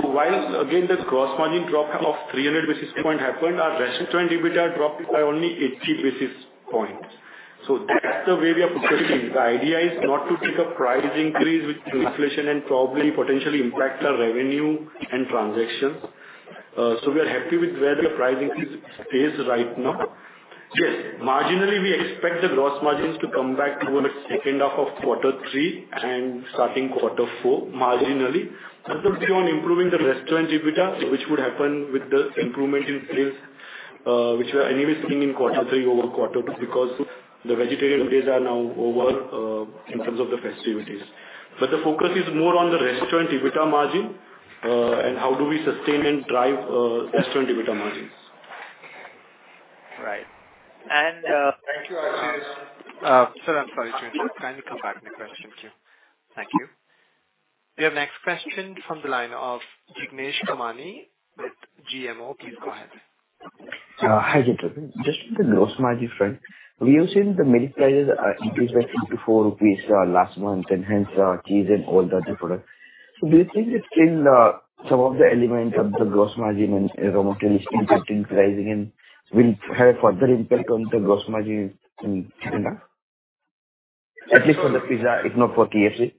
While again, the gross margin drop of 300 basis points happened, our restaurant EBITDA dropped by only 80 basis points. That's the way we are approaching. The idea is not to take a price increase with inflation and probably potentially impact our revenue and transactions. We are happy with where the price increase stays right now. Yes, marginally, we expect the gross margins to come back towards H2 of Q3 and starting Q4, marginally. That's based on improving the restaurant EBITDA, which would happen with the improvement in sales, which we're anyway seeing in Q3 over Q2 because the vegetarian days are now over, in terms of the festivities. The focus is more on the restaurant EBITDA margin, and how we sustain and drive restaurant EBITDA margins. Right. Thank you, Ashish. Sir, I'm sorry to interrupt. Can you come back with your question, please? Thank you. We have next question from the line of Jignesh Kamani with GMO. Please go ahead. Hi, Jignesh. Just on the gross margin front, we have seen the menu prices are increased by 3-4 rupees last month, and hence, cheese and all the other products. Do you think it's in some of the elements of the gross margin and raw materials still kept increasing and will have further impact on the gross margin in H2? At least for Pizza Hut, if not for KFC.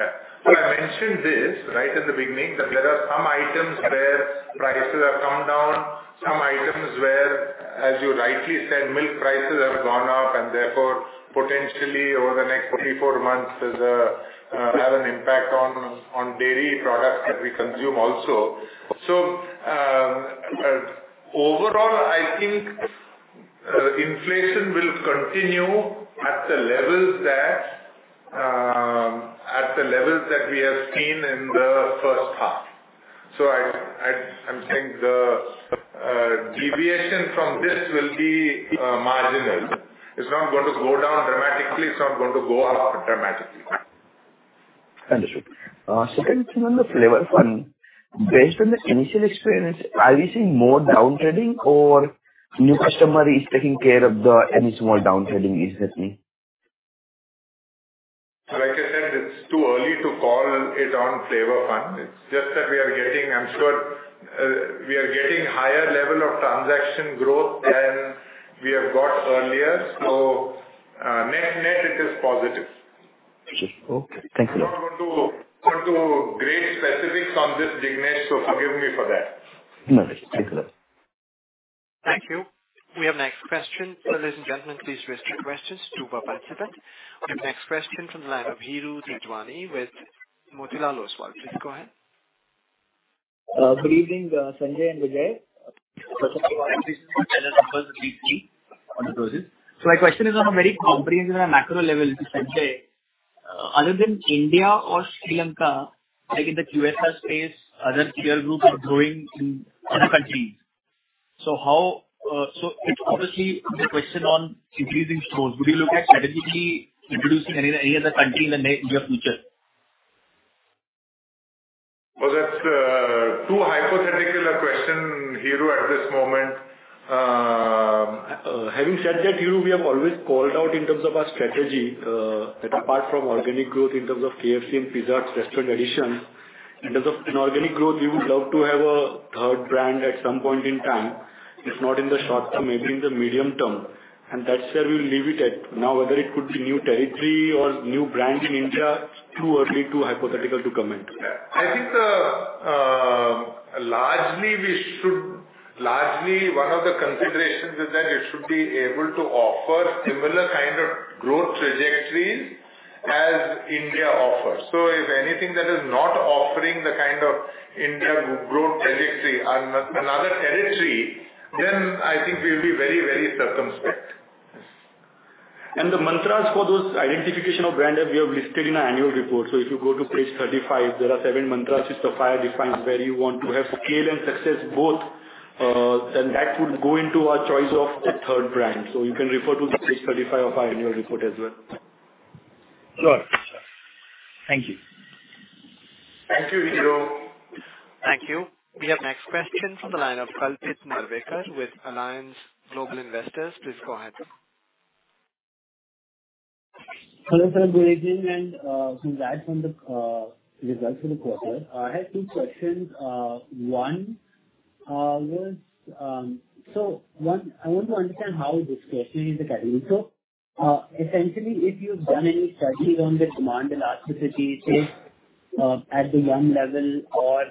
Yeah. Well, I mentioned this right at the beginning, that there are some items where prices have come down, some items where, as you rightly said, milk prices have gone up, and therefore potentially over the next 3 months-4 months, have an impact on dairy products that we consume also. Overall, I think inflation will continue at the levels that at the levels that we have seen in the first half. I think the deviation from this will be marginal. It's not going to go down dramatically. It's not going to go up dramatically. Understood. Second thing on the Flavor Fun. Based on the initial experience, are we seeing more downtrading or new customer is taking care of the any small downtrading is happening? Like I said, it's too early to call it on Flavor Fun. It's just that we are getting, I'm sure, higher level of transaction growth than we have got earlier. Net it is positive. Okay. Thank you. I'm not going to grade specifics on this, Jignesh, so forgive me for that. No worries. Thank you. Thank you. We have next question. Ladies and gentlemen, please raise your questions to participant. Our next question from the line of Hiru Titwani with Motilal Oswal. Please go ahead. Good evening, Sanjay and Vijay. First of all, I appreciate the numbers briefly on the results. My question is on a very comprehensive and macro level to Sanjay. Other than India or Sri Lanka, like in the QSR space, other peer groups are growing in other countries. It's obviously the question on increasing stores. Would you look at strategically introducing any other country in the near future? Well, that's too hypothetical a question, Hiru, at this moment. Having said that, Hiru, we have always called out in terms of our strategy, that apart from organic growth in terms of KFC and Pizza Hut restaurant additions, in terms of inorganic growth, we would love to have a third brand at some point in time. It's not in the short term, maybe in the medium term, and that's where we'll leave it at. Now, whether it could be new territory or new brand in India, it's too early, too hypothetical to comment. I think, largely one of the considerations is that it should be able to offer similar kind of growth trajectories as India offers. If anything that is not offering the kind of India growth trajectory on another territory, then I think we'll be very, very circumspect. The mantras for those identification of brand that we have listed in our annual report. If you go to page 35, there are seven mantras which the firm defines where you want to have scale and success both, then that would go into our choice of the third brand. You can refer to the page 35 of our annual report as well. Sure. Thank you. Thank you, Hiru. Thank you. We have next question from the line of Kalpit Merwekar with Allianz Global Investors. Please go ahead. Hello, sir. Good evening, to add on the results for the quarter, I have two questions. One, I want to understand how discretionary the category. Essentially, if you've done any studies on the demand elasticity, say, at the income level or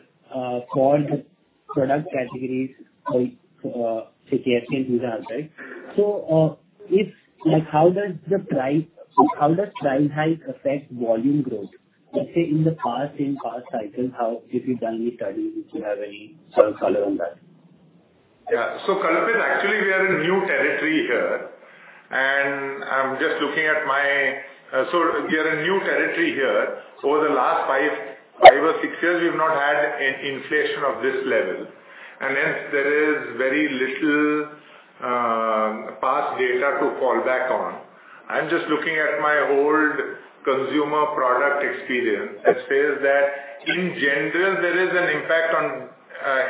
for the product categories, like, say, KFC and Pizza Hut, right? Like, how does price hike affect volume growth? Let's say in past cycles, if you've done any studies, if you have any sort of color on that? Kalpit, actually we are in new territory here. Over the last five or six years, we've not had an inflation of this level, and hence there is very little past data to fall back on. I'm just looking at my old consumer product experience, which says that in general, there is an impact on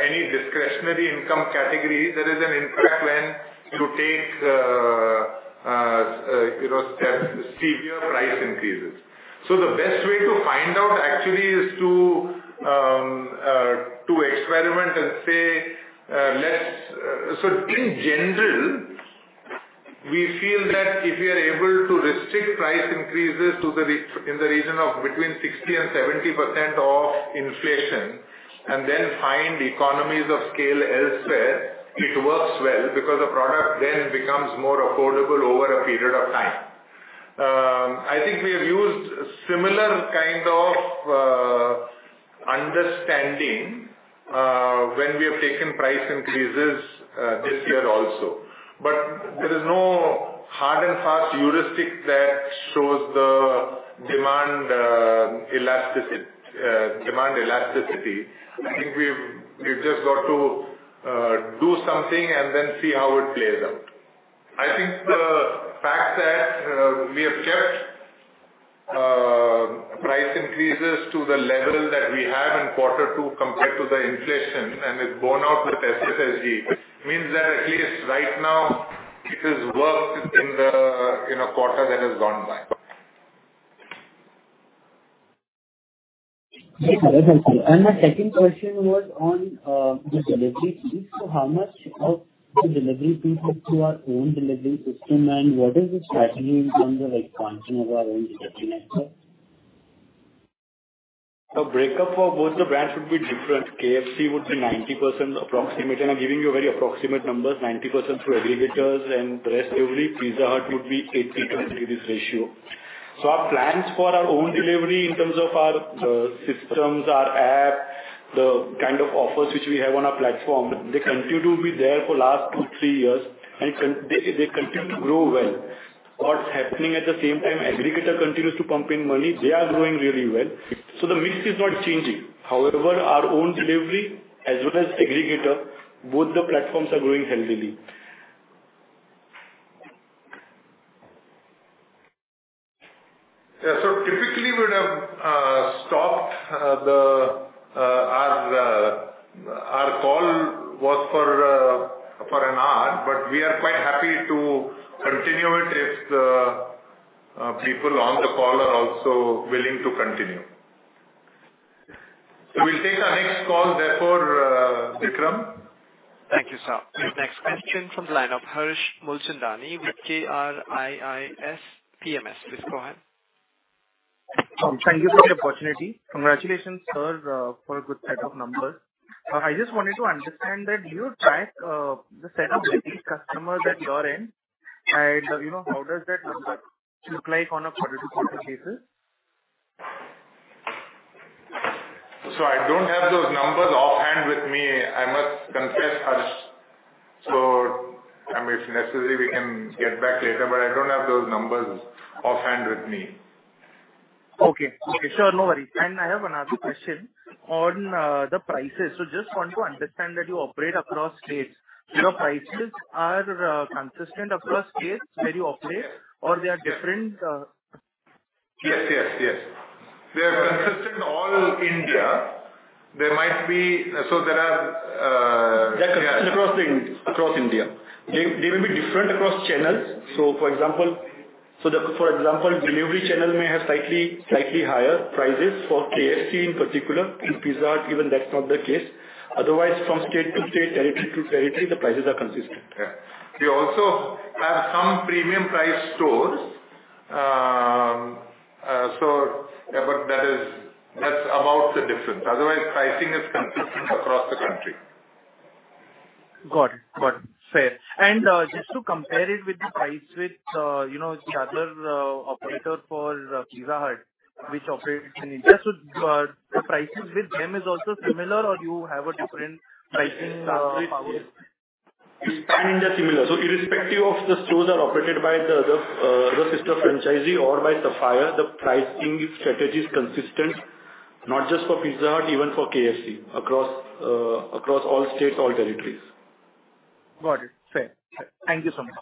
any discretionary income category. There is an impact when you take, you know, steep severe price increases. The best way to find out actually is to experiment and say, let's. In general, we feel that if we are able to restrict price increases to in the region of between 60% and 70% of inflation and then find economies of scale elsewhere, it works well because the product then becomes more affordable over a period of time. I think we have used similar kind of understanding when we have taken price increases this year also. There is no hard and fast heuristic that shows the demand elasticity. I think we've just got to do something and then see how it plays out. I think the fact that we have kept price increases to the level that we have in Q2 compared to the inflation and it's borne out with SSG means that at least right now it has worked in a quarter that has gone by. My second question was on the delivery fees. How much of the delivery fees is through our own delivery system, and what is the strategy in terms of like functioning of our own delivery network? The breakup for both the brands would be different. KFC would be approximately 90%, and I'm giving you very approximate numbers, 90% through aggregators, and the rest delivery. Pizza Hut would be 80-20 this ratio. Our plans for our own delivery in terms of our systems, our app, the kind of offers which we have on our platform, they continue to be there for last 2 years-3 years and they continue to grow well. What's happening at the same time, aggregator continues to pump in money. They are growing really well. The mix is not changing. However, our own delivery as well as aggregator, both the platforms are growing healthily. Yeah. Typically we'd have stopped. Our call was for an hour, but we are quite happy to continue it if the people on the call are also willing to continue. We'll take our next call therefore, Vikram. Thank you, sir. We have next question from the line of Harsh Mulchandani from KRIIS PMS. Please go ahead. Thank you for the opportunity. Congratulations, sir, for a good set of numbers. I just wanted to understand that do you track the set of delivery customers that you're in and, you know, how does that number look like on a quarter-over-quarter basis? I don't have those numbers offhand with me, I must confess, Harsh. I mean, if necessary, we can get back later, but I don't have those numbers offhand with me. Okay. Okay, sure. No worries. I have another question on the prices. Just want to understand that you operate across states. Your prices are consistent across states where you operate or they are different? Yes. They are consistent all India. There might be. There are, yeah. They're consistent across India. They will be different across channels. For example, delivery channel may have slightly higher prices for KFC in particular. In Pizza Hut even that's not the case. Otherwise, from state to state, territory to territory, the prices are consistent. Yeah. We also have some premium price stores. That's about the difference. Otherwise, pricing is consistent across the country. Got it. Fair. Just to compare it with the pricing with, you know, the other operator for Pizza Hut which operates in India. The prices with them is also similar or you have a different pricing power? Pan-India similar. Irrespective of the stores are operated by the system franchisee or by Sapphire, the pricing strategy is consistent not just for Pizza Hut, even for KFC across all states, all territories. Got it. Fair. Thank you so much.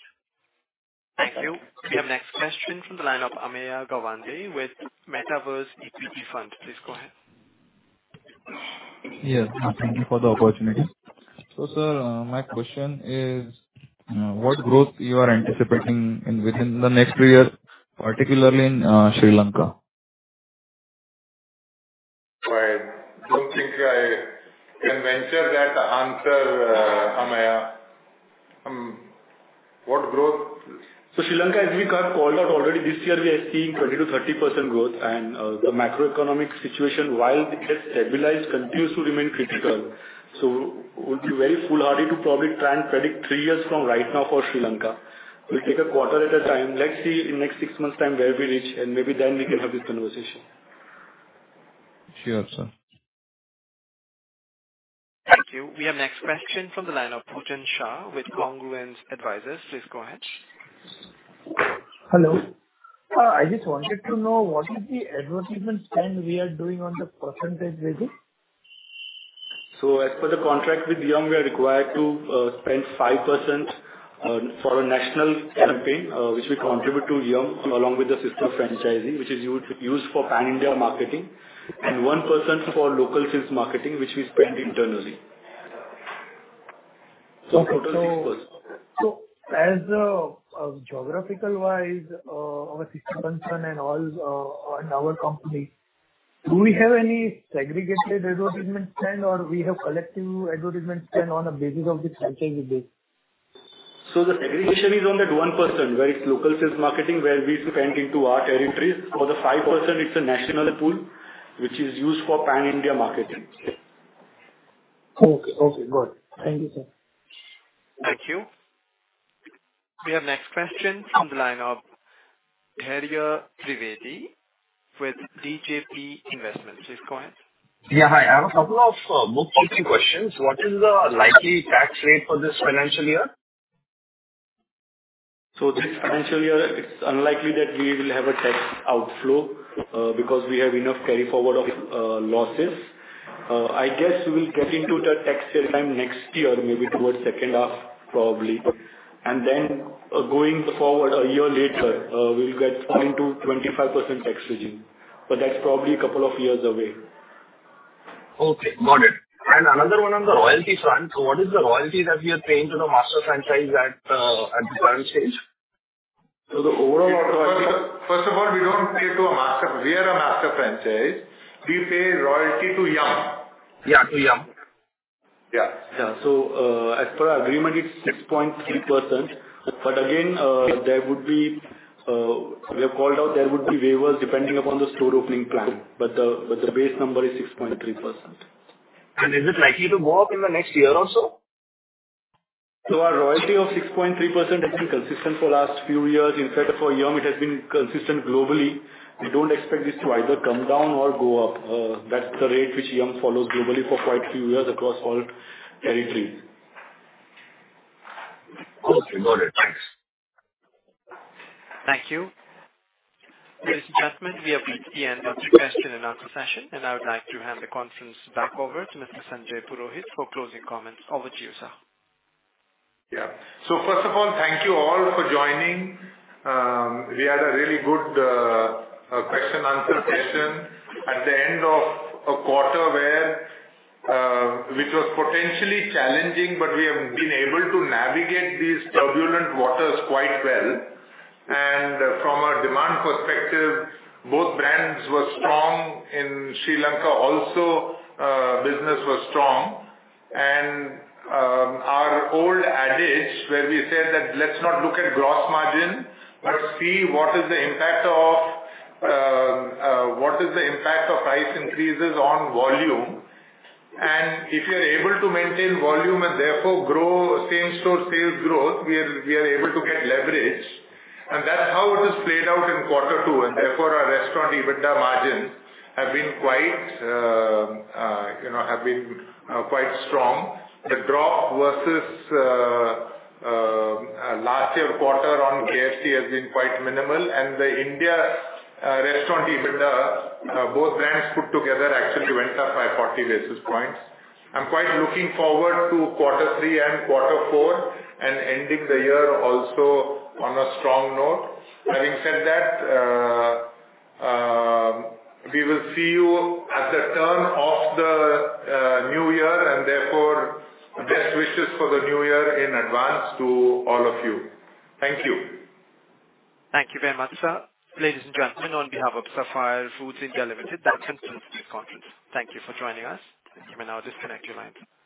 Thank you. We have next question from the line of Ameya Gawande with Metaverse EPG Fund. Please go ahead. Yes. Thank you for the opportunity. Sir, my question is, what growth you are anticipating in within the next three years, particularly in Sri Lanka? I don't think I can venture that answer, Ameya. What growth? Sri Lanka, as we have called out already this year, we are seeing 20%-30% growth. The macroeconomic situation, while it has stabilized, continues to remain critical. We'll be very foolhardy to probably try and predict 3 years from right now for Sri Lanka. We'll take a quarter at a time. Let's see in next 6 months time where we reach, and maybe then we can have this conversation. Sure, sir. Thank you. We have next question from the line of Bhushan Shah with Congruence Advisors. Please go ahead. Hello. I just wanted to know what is the advertisement spend we are doing on the percentage basis? As per the contract with Yum!, we are required to spend 5% for a national campaign, which we contribute to Yum! along with the system franchising, which is used for Pan-India marketing, and 1% for local sales marketing, which we spend internally. Total 6%. Geographically, our system concern and all, in our company, do we have any segregated advertisement spend or we have collective advertisement spend on a basis of the franchise we do? The segregation is on that 1%, where it's local sales marketing where we spend into our territories. For the 5% it's a national pool which is used for Pan-India marketing. Okay. Okay. Got it. Thank you, sir. Thank you. We have next question from the line of Jigar Trivedi with DJP Investment. Please go ahead. Yeah. Hi. I have a couple of bookkeeping questions. What is the likely tax rate for this financial year? This financial year it's unlikely that we will have a tax outflow, because we have enough carry forward of losses. I guess we'll get into the tax regime next year, maybe towards second half probably. Then going forward a year later, we'll fall into 25% tax regime, but that's probably a couple of years away. Okay. Got it. Another one on the royalty front. What is the royalty that we are paying to the master franchise at the current stage? So the overall- First of all, we don't pay to a master. We are a master franchise. We pay royalty to Yum! Yeah, to Yum! Yeah. Yeah. As per agreement, it's 6.3%. But again, we have called out there would be waivers depending upon the store opening plan, but the base number is 6.3%. Is it likely to go up in the next year also? Our royalty of 6.3% has been consistent for last few years. In fact, for Yum!, it has been consistent globally. We don't expect this to either come down or go up. That's the rate which Yum follows globally for quite a few years across all territories. Cool. Got it. Thanks. Thank you. Ladies and gentlemen, we have reached the end of the question and answer session, and I would like to hand the conference back over to Mr. Sanjay Purohit for closing comments. Over to you, sir. Yeah. First of all, thank you all for joining. We had a really good question answer session at the end of a quarter which was potentially challenging, but we have been able to navigate these turbulent waters quite well. From a demand perspective, both brands were strong. In Sri Lanka also, business was strong. Our old adage where we said that let's not look at gross margin, but see what is the impact of price increases on volume. If we are able to maintain volume and therefore grow same-store sales growth, we are able to get leverage. That's how it has played out in Q2. Therefore, our restaurant EBITDA margins have been quite, you know, quite strong. The drop versus last year quarter on KFC has been quite minimal. The Indian restaurant EBITDA, both brands put together actually went up by 40 basis points. I'm quite looking forward to Q3 and Q4 and ending the year also on a strong note. Having said that, we will see you at the turn of the new year and therefore best wishes for the new year in advance to all of you. Thank you. Thank you very much, sir. Ladies and gentlemen, on behalf of Sapphire Foods India Limited, that concludes this conference. Thank you for joining us. You may now disconnect your lines.